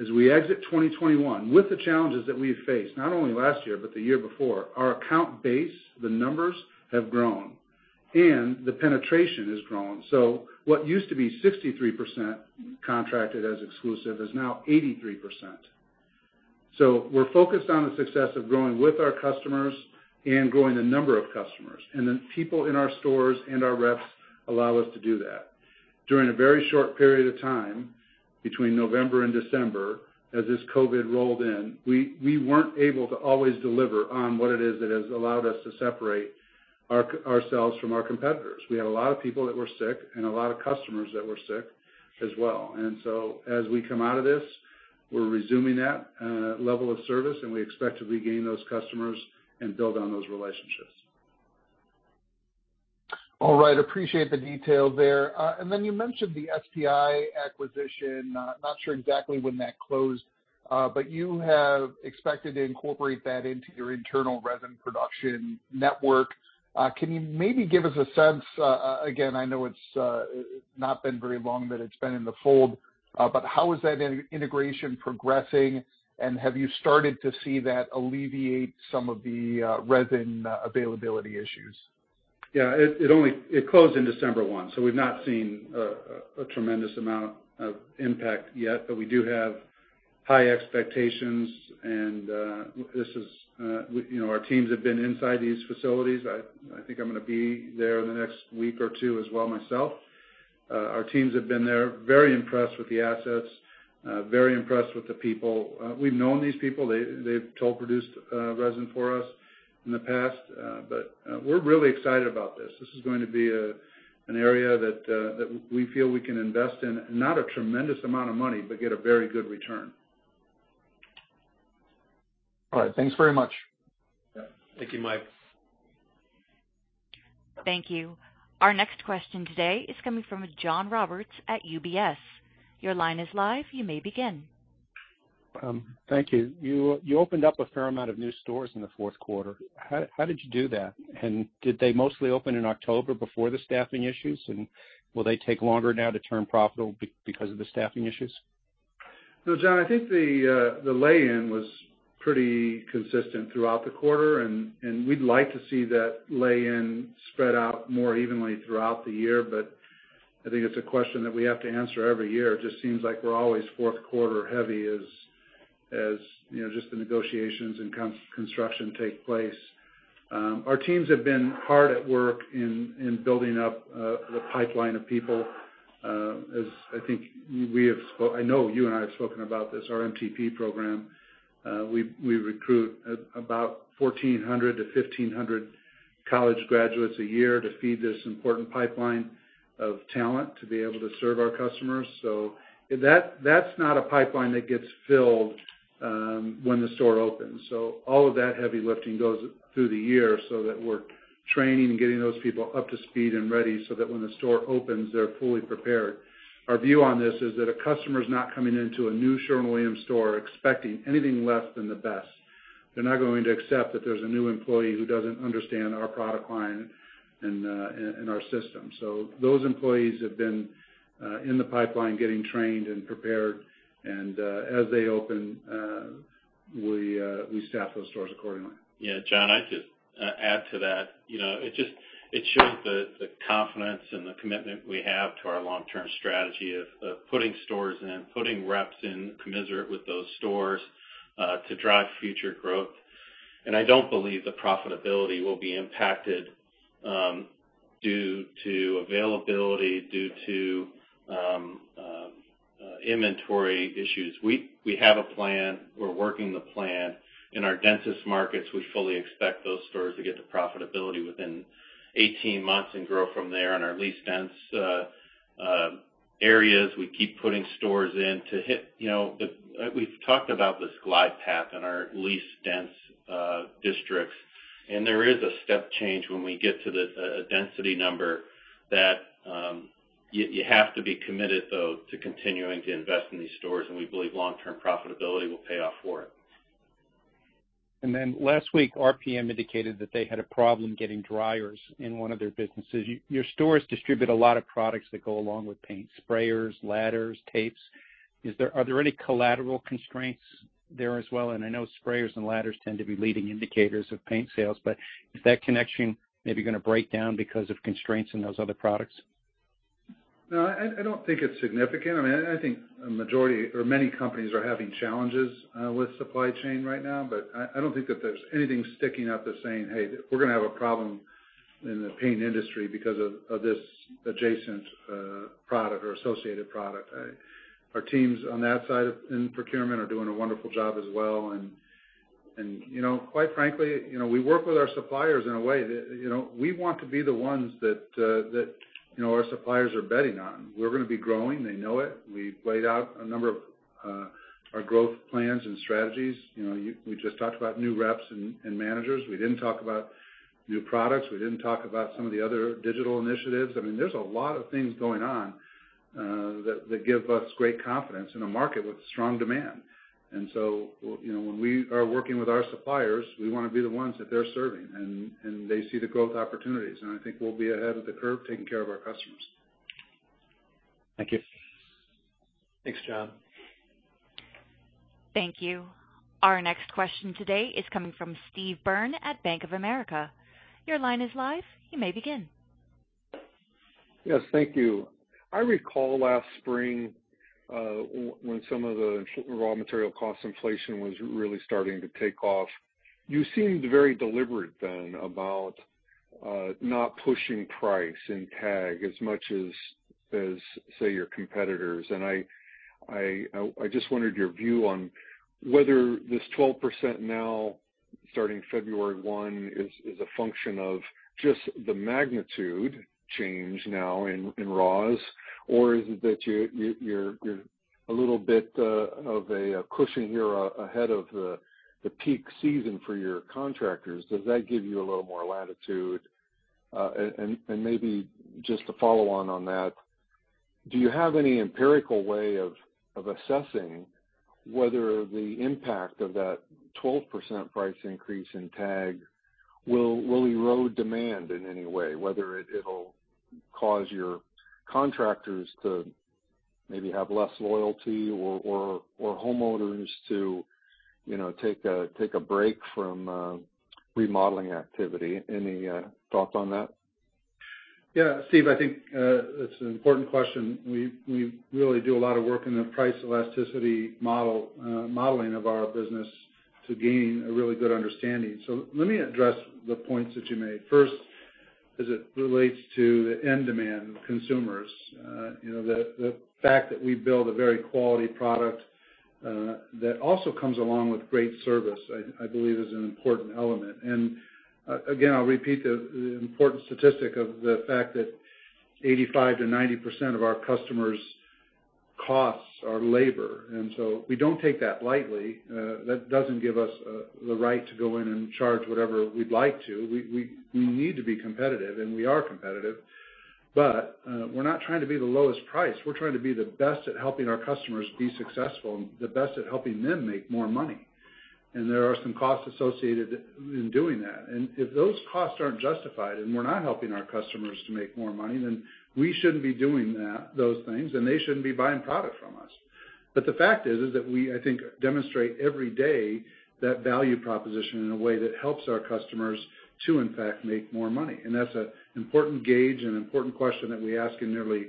As we exit 2021, with the challenges that we have faced, not only last year, but the year before, our account base, the numbers have grown and the penetration has grown. What used to be 63% contracted as exclusive is now 83%. We're focused on the success of growing with our customers and growing the number of customers, and the people in our stores and our reps allow us to do that. During a very short period of time, between November and December, as this COVID rolled in, we weren't able to always deliver on what it is that has allowed us to separate ourselves from our competitors. We had a lot of people that were sick and a lot of customers that were sick as well. We're resuming that level of service, and we expect to regain those customers and build on those relationships. All right. Appreciate the detail there. You mentioned the SPI acquisition. Not sure exactly when that closed. You have expected to incorporate that into your internal resin production network. Can you maybe give us a sense, again, I know it's not been very long that it's been in the fold, but how is that integration progressing, and have you started to see that alleviate some of the resin availability issues? It only closed in December 2021, so we've not seen a tremendous amount of impact yet, but we do have high expectations and this is you know our teams have been inside these facilities. I think I'm gonna be there in the next week or two as well myself. Our teams have been there, very impressed with the assets, very impressed with the people. We've known these people. They've toll produced resin for us in the past, but we're really excited about this. This is going to be an area that we feel we can invest in, not a tremendous amount of money, but get a very good return. All right. Thanks very much. Yeah. Thank you, Mike. Thank you. Our next question today is coming from John Roberts at UBS. Your line is live. You may begin. Thank you. You opened up a fair amount of new stores in the fourth quarter. How did you do that? Did they mostly open in October before the staffing issues, and will they take longer now to turn profitable because of the staffing issues? No, John, I think the lay-in was pretty consistent throughout the quarter, and we'd like to see that lay-in spread out more evenly throughout the year, but I think it's a question that we have to answer every year. It just seems like we're always fourth quarter heavy, as you know, just the negotiations and construction take place. Our teams have been hard at work in building up the pipeline of people, as I know you and I have spoken about this, our MTP program. We recruit about 1,400-1,500 college graduates a year to feed this important pipeline of talent to be able to serve our customers. That's not a pipeline that gets filled when the store opens. All of that heavy lifting goes through the year so that we're training and getting those people up to speed and ready so that when the store opens, they're fully prepared. Our view on this is that a customer's not coming into a new Sherwin-Williams store expecting anything less than the best. They're not going to accept that there's a new employee who doesn't understand our product line and our system. Those employees have been in the pipeline getting trained and prepared, and as they open, we staff those stores accordingly. Yeah, John, I'd just add to that. You know, it just shows the confidence and the commitment we have to our long-term strategy of putting stores in, putting reps in commensurate with those stores to drive future growth. I don't believe the profitability will be impacted due to availability due to inventory issues. We have a plan. We're working the plan. In our densest markets, we fully expect those stores to get to profitability within 18 months and grow from there. In our least dense areas, we keep putting stores in to hit, you know, the- We've talked about this glide path in our least dense districts, and there is a step change when we get to a density number that you have to be committed, though, to continuing to invest in these stores, and we believe long-term profitability will pay off for it. Then last week, RPM indicated that they had a problem getting dryers in one of their businesses. Your stores distribute a lot of products that go along with paint, sprayers, ladders, tapes. Are there any collateral constraints there as well? I know sprayers and ladders tend to be leading indicators of paint sales, but is that connection maybe gonna break down because of constraints in those other products? No, I don't think it's significant. I mean, I think a majority or many companies are having challenges with supply chain right now, but I don't think that there's anything sticking out that's saying, "Hey, we're gonna have a problem in the paint industry because of this adjacent product or associated product." Our teams on that side in procurement are doing a wonderful job as well, and you know, quite frankly, you know, we work with our suppliers in a way that you know, we want to be the ones that our suppliers are betting on. We're gonna be growing. They know it. We've laid out a number of our growth plans and strategies. You know, we just talked about new reps and managers. We didn't talk about new products. We didn't talk about some of the other digital initiatives. I mean, there's a lot of things going on that give us great confidence in a market with strong demand. You know, when we are working with our suppliers, we wanna be the ones that they're serving, and they see the growth opportunities. I think we'll be ahead of the curve taking care of our customers. Thank you. Thanks, John. Thank you. Our next question today is coming from Steve Byrne at Bank of America. Your line is live. You may begin. Yes, thank you. I recall last spring, when some of the raw material cost inflation was really starting to take off, you seemed very deliberate then about not pushing price in TAG as much as, say, your competitors. I just wondered your view on whether this 12% now starting February 1 is a function of just the magnitude change now in raws, or is it that you're a little bit of a cushion here ahead of the peak season for your contractors? Does that give you a little more latitude? Maybe just to follow on that, do you have any empirical way of assessing whether the impact of that 12% price increase in TAG will erode demand in any way, whether it'll cause your contractors to maybe have less loyalty or homeowners to, you know, take a break from remodeling activity? Any thoughts on that? Yeah. Steve, I think it's an important question. We really do a lot of work in the price elasticity model, modeling of our business to gain a really good understanding. Let me address the points that you made. First, as it relates to the end demand of consumers, you know, the fact that we build a very quality product that also comes along with great service, I believe is an important element. Again, I'll repeat the important statistic of the fact that 85%-90% of our customers' costs are labor. We don't take that lightly. That doesn't give us the right to go in and charge whatever we'd like to. We need to be competitive, and we are competitive. We're not trying to be the lowest price. We're trying to be the best at helping our customers be successful and the best at helping them make more money. There are some costs associated in doing that. If those costs aren't justified and we're not helping our customers to make more money, then we shouldn't be doing that, those things, and they shouldn't be buying product from us. The fact is that we, I think, demonstrate every day that value proposition in a way that helps our customers to, in fact, make more money. That's an important gauge and important question that we ask in nearly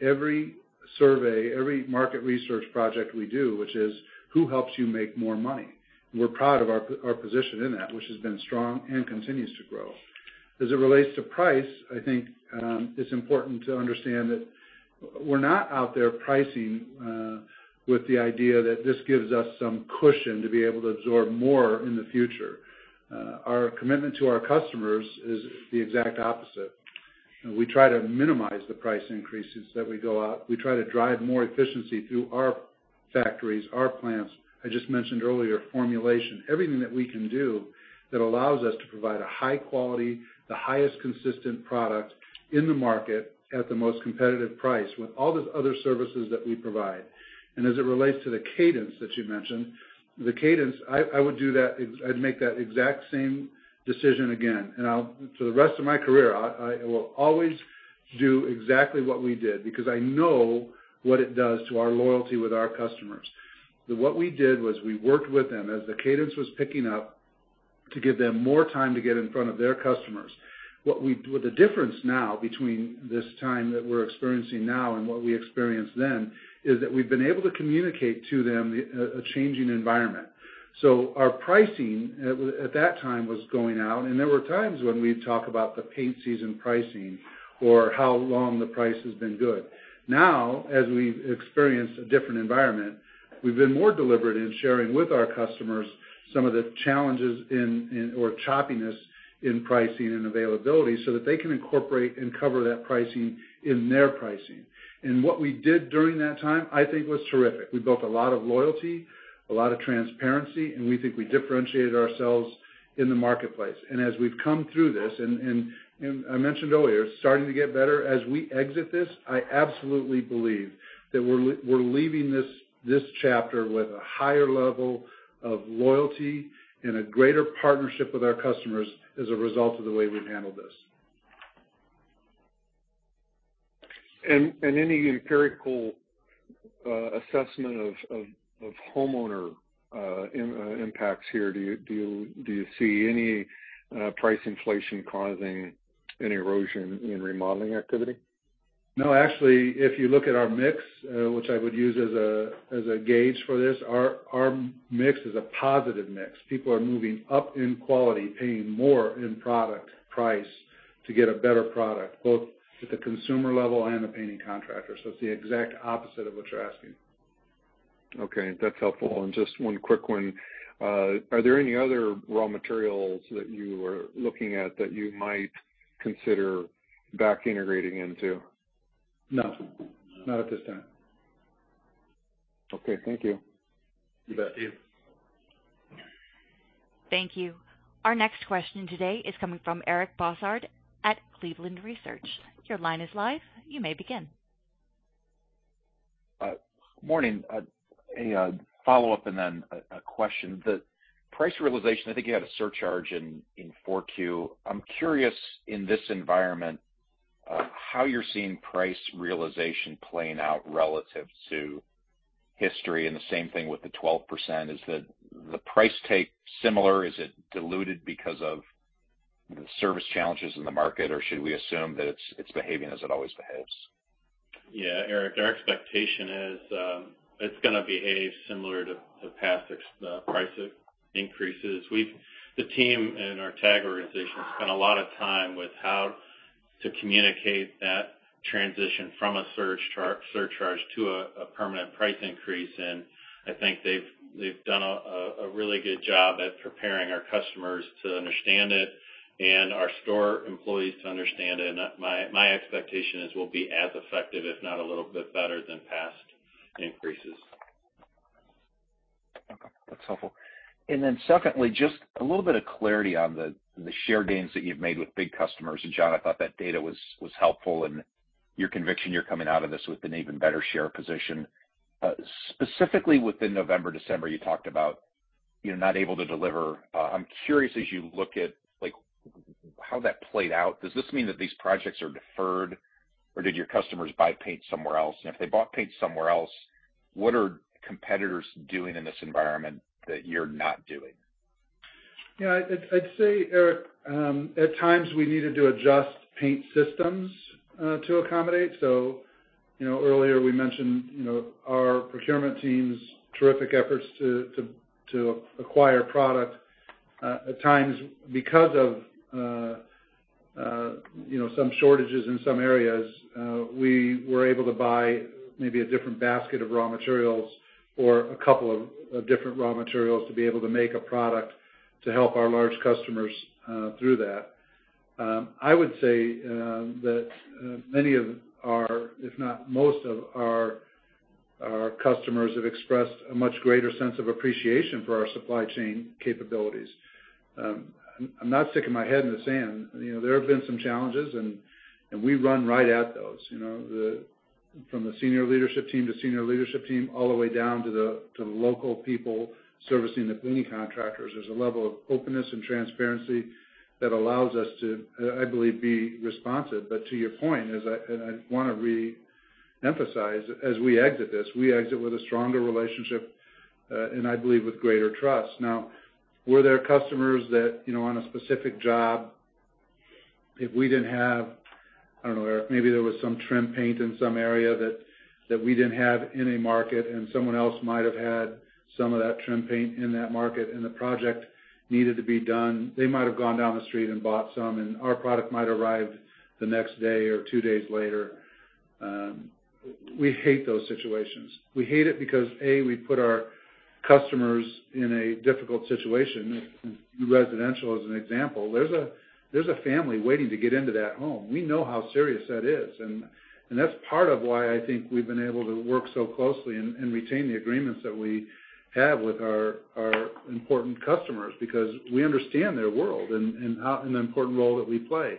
every survey, every market research project we do, which is, Who helps you make more money? We're proud of our position in that, which has been strong and continues to grow. As it relates to price, I think it's important to understand that we're not out there pricing with the idea that this gives us some cushion to be able to absorb more in the future. Our commitment to our customers is the exact opposite. We try to minimize the price increases that we go out. We try to drive more efficiency through our factories, our plants. I just mentioned earlier formulation. Everything that we can do that allows us to provide a high quality, the highest consistent product in the market at the most competitive price with all those other services that we provide. As it relates to the cadence that you mentioned, the cadence, I would do that. I'd make that exact same decision again. For the rest of my career, I will always do exactly what we did because I know what it does to our loyalty with our customers. What we did was we worked with them as the cadence was picking up to give them more time to get in front of their customers. The difference now between this time that we're experiencing now and what we experienced then is that we've been able to communicate to them a changing environment. Our pricing at that time was going out, and there were times when we'd talk about the paint season pricing or how long the price has been good. Now, as we've experienced a different environment, we've been more deliberate in sharing with our customers some of the challenges in inventory or choppiness in pricing and availability so that they can incorporate and cover that pricing in their pricing. What we did during that time, I think was terrific. We built a lot of loyalty, a lot of transparency, and we think we differentiated ourselves in the marketplace. As we've come through this, I mentioned earlier, it's starting to get better. As we exit this, I absolutely believe that we're leaving this chapter with a higher level of loyalty and a greater partnership with our customers as a result of the way we've handled this. Any empirical assessment of homeowner impacts here, do you see any price inflation causing any erosion in remodeling activity? No, actually, if you look at our mix, which I would use as a gauge for this, our mix is a positive mix. People are moving up in quality, paying more in product price to get a better product, both at the consumer level and the painting contractor. It's the exact opposite of what you're asking. Okay, that's helpful. Just one quick one. Are there any other raw materials that you are looking at that you might consider back integrating into? No, not at this time. Okay. Thank you. You bet. Thank you. Our next question today is coming from Eric Bosshard at Cleveland Research. Your line is live. You may begin. Morning. A follow-up and then a question. The price realization, I think you had a surcharge in 4Q. I'm curious, in this environment, how you're seeing price realization playing out relative to history, and the same thing with the 12%. Is the price take similar? Is it diluted because of the service challenges in the market, or should we assume that it's behaving as it always behaves? Yeah. Eric, our expectation is it's gonna behave similar to past price increases. The team and our TAG organization spent a lot of time with how to communicate that transition from a surge surcharge to a permanent price increase, and I think they've done a really good job at preparing our customers to understand it and our store employees to understand it. My expectation is we'll be as effective, if not a little bit better than past increases. Okay. That's helpful. Then secondly, just a little bit of clarity on the share gains that you've made with big customers. John, I thought that data was helpful, and your conviction you're coming out of this with an even better share position. Specifically within November, December, you talked about you're not able to deliver. I'm curious, as you look at, like, how that played out, does this mean that these projects are deferred, or did your customers buy paint somewhere else? If they bought paint somewhere else, what are competitors doing in this environment that you're not doing? Yeah. I'd say, Eric, at times, we needed to adjust paint systems to accommodate. You know, earlier we mentioned our procurement team's terrific efforts to acquire product. At times, because of you know, some shortages in some areas, we were able to buy maybe a different basket of raw materials or a couple of different raw materials to be able to make a product to help our large customers through that. I would say that many of our, if not most of our customers have expressed a much greater sense of appreciation for our supply chain capabilities. I'm not sticking my head in the sand. You know, there have been some challenges, and we run right at those. You know, from the senior leadership team to senior leadership team, all the way down to the local people servicing the painting contractors, there's a level of openness and transparency that allows us to, I believe, be responsive. To your point, as I wanna re-emphasize, as we exit this with a stronger relationship, and I believe with greater trust. Now, were there customers that, you know, on a specific job, if we didn't have, I don't know, Eric, maybe there was some trim paint in some area that we didn't have in a market, and someone else might have had some of that trim paint in that market, and the project needed to be done, they might have gone down the street and bought some, and our product might arrive the next day or two days later. We hate those situations. We hate it because A, we put our customers in a difficult situation. Residential, as an example, there's a family waiting to get into that home. We know how serious that is, and that's part of why I think we've been able to work so closely and retain the agreements that we have with our important customers, because we understand their world and the important role that we play.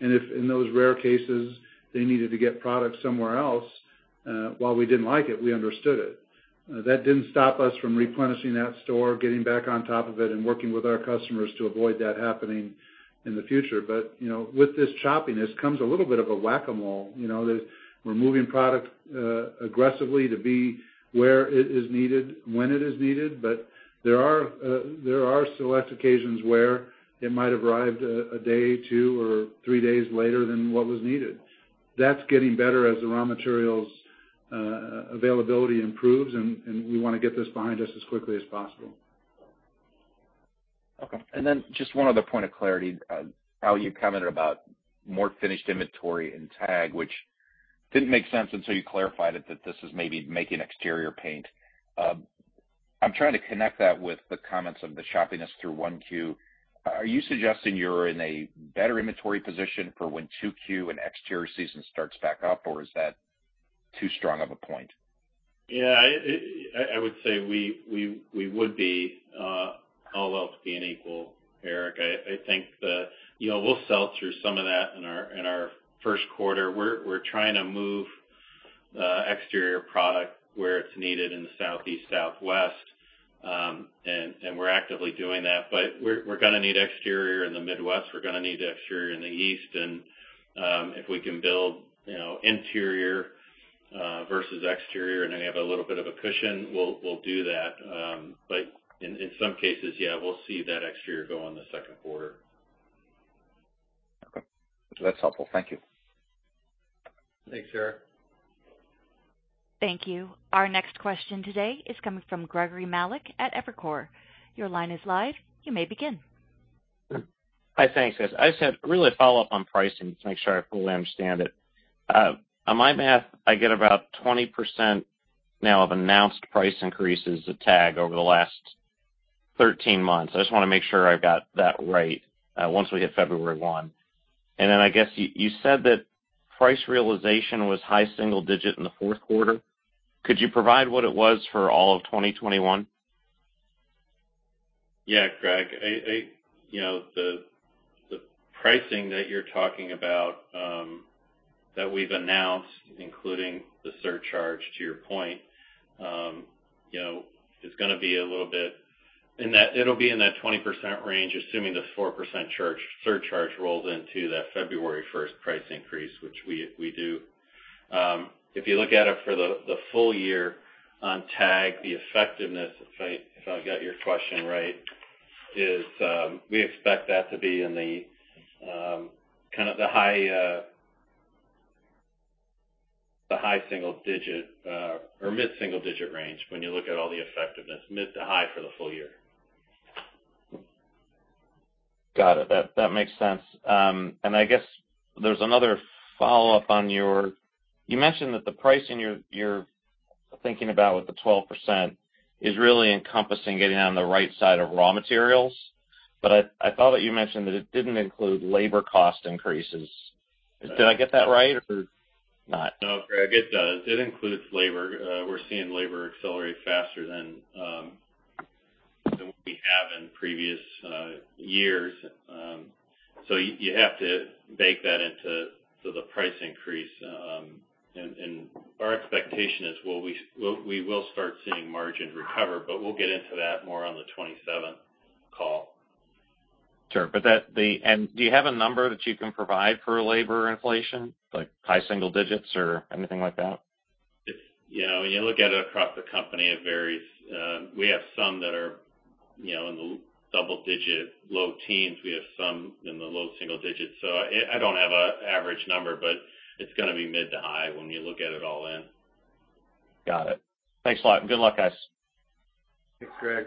If in those rare cases they needed to get product somewhere else, while we didn't like it, we understood it. That didn't stop us from replenishing that store, getting back on top of it, and working with our customers to avoid that happening in the future. You know, with this choppiness comes a little bit of a Whack-A-Mole. You know, we're moving product aggressively to be where it is needed when it is needed. But there are select occasions where it might have arrived a day, two, or three days later than what was needed. That's getting better as the raw materials availability improves, and we wanna get this behind us as quickly as possible. Okay. Just one other point of clarity. How you commented about more finished inventory and TAG, which didn't make sense until you clarified it, that this is maybe making exterior paint. I'm trying to connect that with the comments of the choppiness through 1Q. Are you suggesting you're in a better inventory position for when 2Q and exterior season starts back up, or is that too strong of a point? Yeah. I would say we would be all else being equal, Eric. I think. You know, we'll sell through some of that in our first quarter. We're trying to move exterior product where it's needed in the Southeast, Southwest, and we're actively doing that. We're gonna need exterior in the Midwest. We're gonna need exterior in the East. If we can build you know, interior versus exterior and then have a little bit of a cushion, we'll do that. In some cases, yeah, we'll see that exterior go in the second quarter. Okay. That's helpful. Thank you. Thanks, Eric. Thank you. Our next question today is coming from Gregory Melich at Evercore. Your line is live. You may begin. Hi. Thanks, guys. I just had really a follow-up on pricing to make sure I fully understand it. On my math, I get about 20% now of announced price increases to tag over the last 13 months. I just wanna make sure I've got that right, once we hit February 1. Then I guess you said that price realization was high single digit in the fourth quarter. Could you provide what it was for all of 2021? Yeah, Greg. You know, the pricing that you're talking about that we've announced, including the surcharge, to your point, you know, is gonna be a little bit in that, it'll be in that 20% range, assuming the 4% surcharge rolls into that February first price increase, which we do. If you look at it for the full year on TAG, the effectiveness, if I got your question right, is we expect that to be in the kind of the high single digit or mid-single digit range when you look at all the effectiveness, mid-to-high for the full year. Got it. That makes sense. I guess there's another follow-up on your. You mentioned that the pricing you're thinking about with the 12% is really encompassing getting on the right side of raw materials, but I thought that you mentioned that it didn't include labor cost increases. Did I get that right or not? No, Gregory, it does. It includes labor. We're seeing labor accelerate faster than we have in previous years. You have to bake that into the price increase. Our expectation is we will start seeing margin recover, but we'll get into that more on the 27th call. Sure. That, do you have a number that you can provide for labor inflation, like high single-digits or anything like that? It's, you know, when you look at it across the company, it varies. We have some that are, you know, in the double-digit, low teens. We have some in the low single-digits. I don't have an average number, but it's gonna be mid-to-high when you look at it all in. Got it. Thanks a lot, and good luck, guys. Thanks, Greg.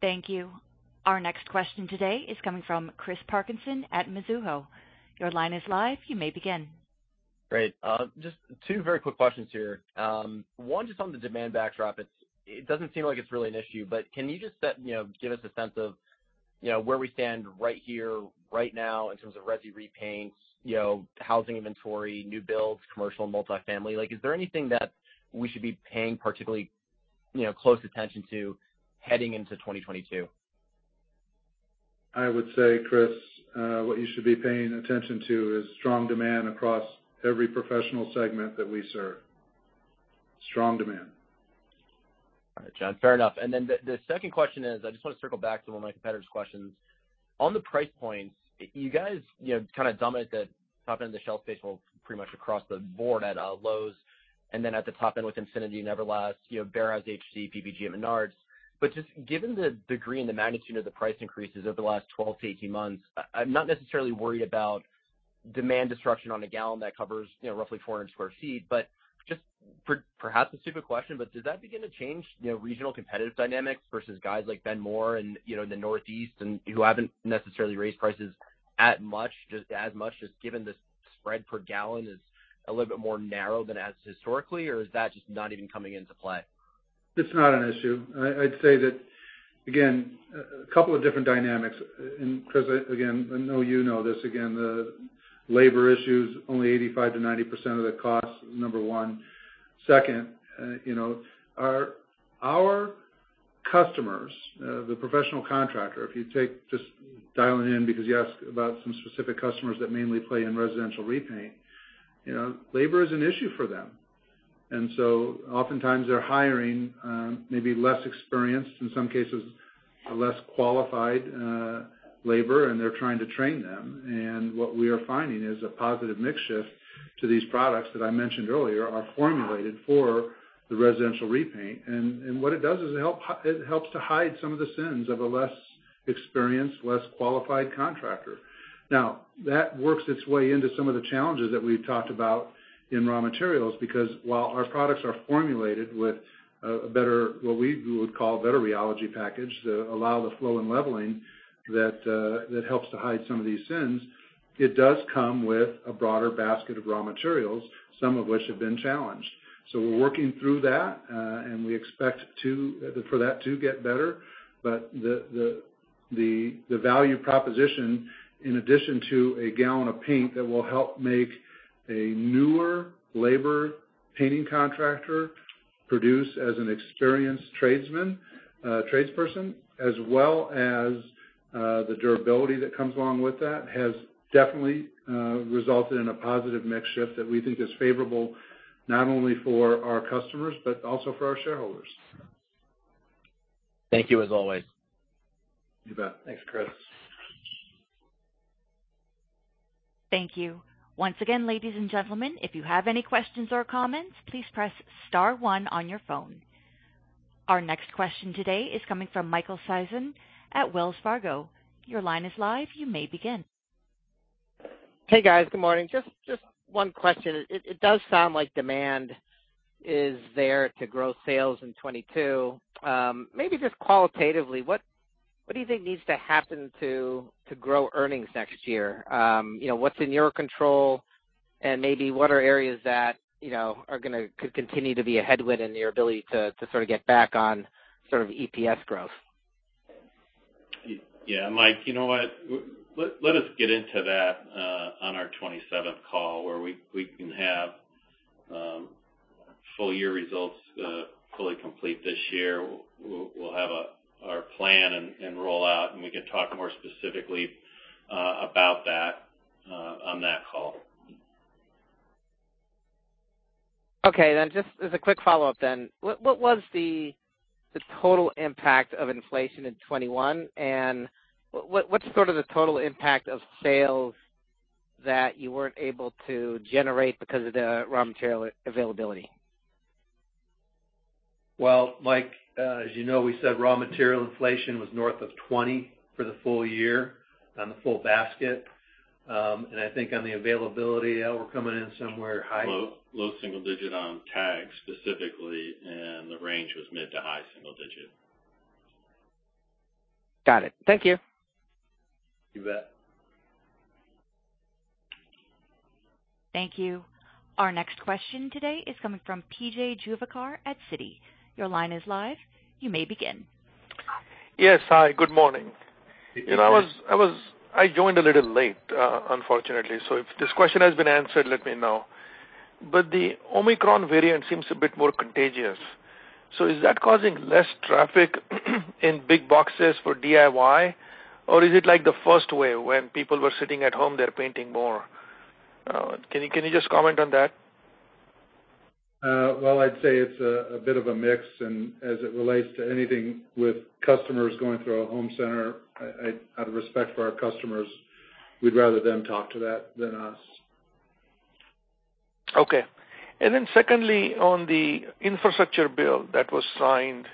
Thank you. Our next question today is coming from Chris Parkinson at Mizuho. Your line is live. You may begin. Great. Just two very quick questions here. One just on the demand backdrop. It doesn't seem like it's really an issue, but can you just, you know, give us a sense of, you know, where we stand right here, right now in terms of Resi repaints, you know, housing inventory, new builds, commercial and multifamily? Like, is there anything that we should be paying particularly, you know, close attention to heading into 2022? I would say, Chris, what you should be paying attention to is strong demand across every professional segment that we serve. Strong demand. All right, John. Fair enough. The second question is, I just wanna circle back to one of my competitor's questions. On the price points, you guys, you know, kind of dominate the top end of the shelf space well pretty much across the board at Lowe's, and then at the top end with Infinity and Everlast, you know, Behr is HD, PPG, and Menards. But just given the degree and the magnitude of the price increases over the last 12-18 months, I'm not necessarily worried about demand destruction on a gallon that covers, you know, roughly 400 sq ft. Perhaps a stupid question, but does that begin to change, you know, regional competitive dynamics versus guys like Benjamin Moore and, you know, in the Northeast and who haven't necessarily raised prices as much, just given the spread per gallon is a little bit more narrow than it has historically? Or is that just not even coming into play? It's not an issue. I'd say that, again, a couple of different dynamics. Chris, again, I know you know this, again, the labor issue is only 85%-90% of the cost, number one. Second, you know, our customers, the professional contractor, if you take just dialing in because you asked about some specific customers that mainly play in residential repaint, you know, labor is an issue for them. Oftentimes they're hiring, maybe less experienced, in some cases, a less qualified labor, and they're trying to train them. What we are finding is a positive mix shift to these products that I mentioned earlier are formulated for the residential repaint. What it does is it helps to hide some of the sins of a less experienced, less qualified contractor. Now, that works its way into some of the challenges that we've talked about in raw materials because while our products are formulated with a better, what we would call a better rheology package to allow the flow and leveling that helps to hide some of these sins, it does come with a broader basket of raw materials, some of which have been challenged. We're working through that, and we expect for that to get better. The value proposition in addition to a gallon of paint that will help make a newer labor painting contractor produce as an experienced tradesman, tradesperson, as well as the durability that comes along with that, has definitely resulted in a positive mix shift that we think is favorable, not only for our customers, but also for our shareholders. Thank you as always. You bet. Thanks, Chris. Thank you. Once again, ladies and gentlemen, if you have any questions or comments, please press star one on your phone. Our next question today is coming from Michael Sison at Wells Fargo. Your line is live. You may begin. Hey guys, good morning. Just one question. It does sound like demand is there to grow sales in 2022. Maybe just qualitatively, what do you think needs to happen to grow earnings next year? You know, what's in your control? Maybe what are areas that, you know, could continue to be a headwind in your ability to sort of get back on sort of EPS growth? Yeah. Mike, you know what? Let us get into that on our 27th call where we can have full year results fully complete this year. We'll have our plan and roll out, and we can talk more specifically about that on that call. Okay. Just as a quick follow-up then, what was the total impact of inflation in 2021? And what’s sort of the total impact of sales that you weren’t able to generate because of the raw material availability? Well, Mike, as you know, we said raw material inflation was north of 20% for the full year on the full basket. I think on the availability, Al, we're coming in somewhere high. Low-single-digit on TAGs specifically, and the range was mid-to high single-digit. Got it. Thank you. You bet. Thank you. Our next question today is coming from P.J. Juvekar at Citi. Your line is live. You may begin. Yes. Hi, good morning. You know, I joined a little late, unfortunately, so if this question has been answered, let me know. The Omicron variant seems a bit more contagious. Is that causing less traffic in big boxes for DIY, or is it like the first wave when people were sitting at home, they're painting more? Can you just comment on that? Well, I'd say it's a bit of a mix. As it relates to anything with customers going through a home center, out of respect for our customers, we'd rather them talk to that than us. Okay. Secondly, on the infrastructure bill that was signed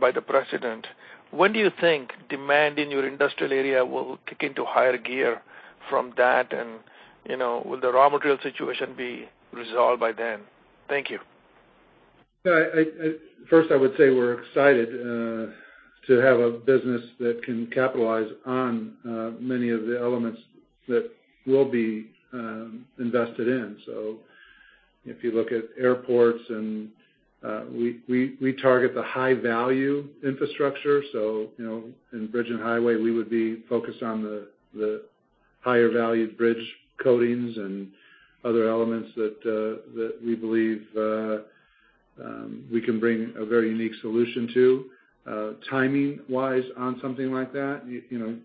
by the president, when do you think demand in your industrial area will kick into higher gear from that? You know, will the raw material situation be resolved by then? Thank you. First, I would say we're excited to have a business that can capitalize on many of the elements that will be invested in. If you look at airports, and we target the high value infrastructure. You know, in bridge and highway, we would be focused on the higher value bridge coatings and other elements that we believe we can bring a very unique solution to. Timing-wise on something like that, you know,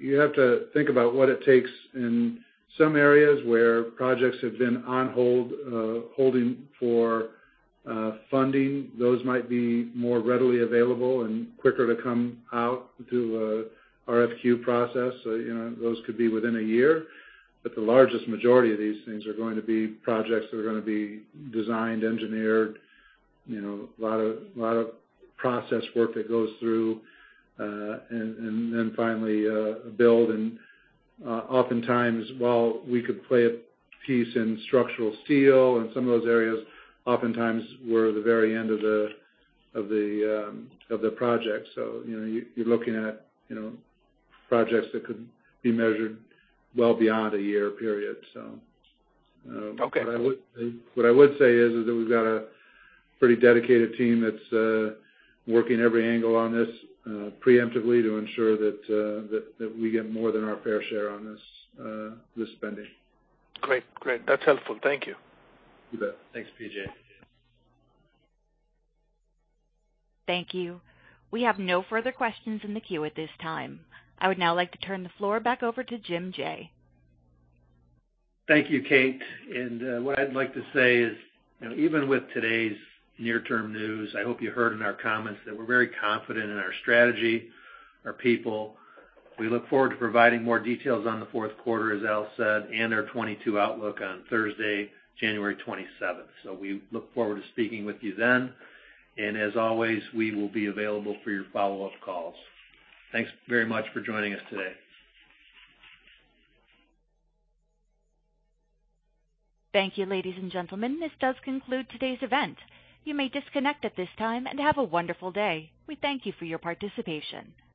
you have to think about what it takes in some areas where projects have been on hold holding for funding. Those might be more readily available and quicker to come out through RFQ process. You know, those could be within a year. The largest majority of these things are going to be projects that are gonna be designed, engineered, you know, a lot of process work that goes through, and then finally, build. Oftentimes, while we could play a piece in structural steel and some of those areas, oftentimes we're the very end of the project. You know, you're looking at projects that could be measured well beyond a year period. Okay. What I would say is that we've got a pretty dedicated team that's working every angle on this preemptively to ensure that we get more than our fair share on this spending. Great. That's helpful. Thank you. You bet. Thanks, P.J. Thank you. We have no further questions in the queue at this time. I would now like to turn the floor back over to Jim Jaye. Thank you, Kate. What I'd like to say is, you know, even with today's near-term news, I hope you heard in our comments that we're very confident in our strategy, our people. We look forward to providing more details on the fourth quarter, as Al said, and our 2022 outlook on Thursday, January 27. We look forward to speaking with you then. We will be available for your follow-up calls. Thanks very much for joining us today. Thank you, ladies and gentlemen. This does conclude today's event. You may disconnect at this time, and have a wonderful day. We thank you for your participation.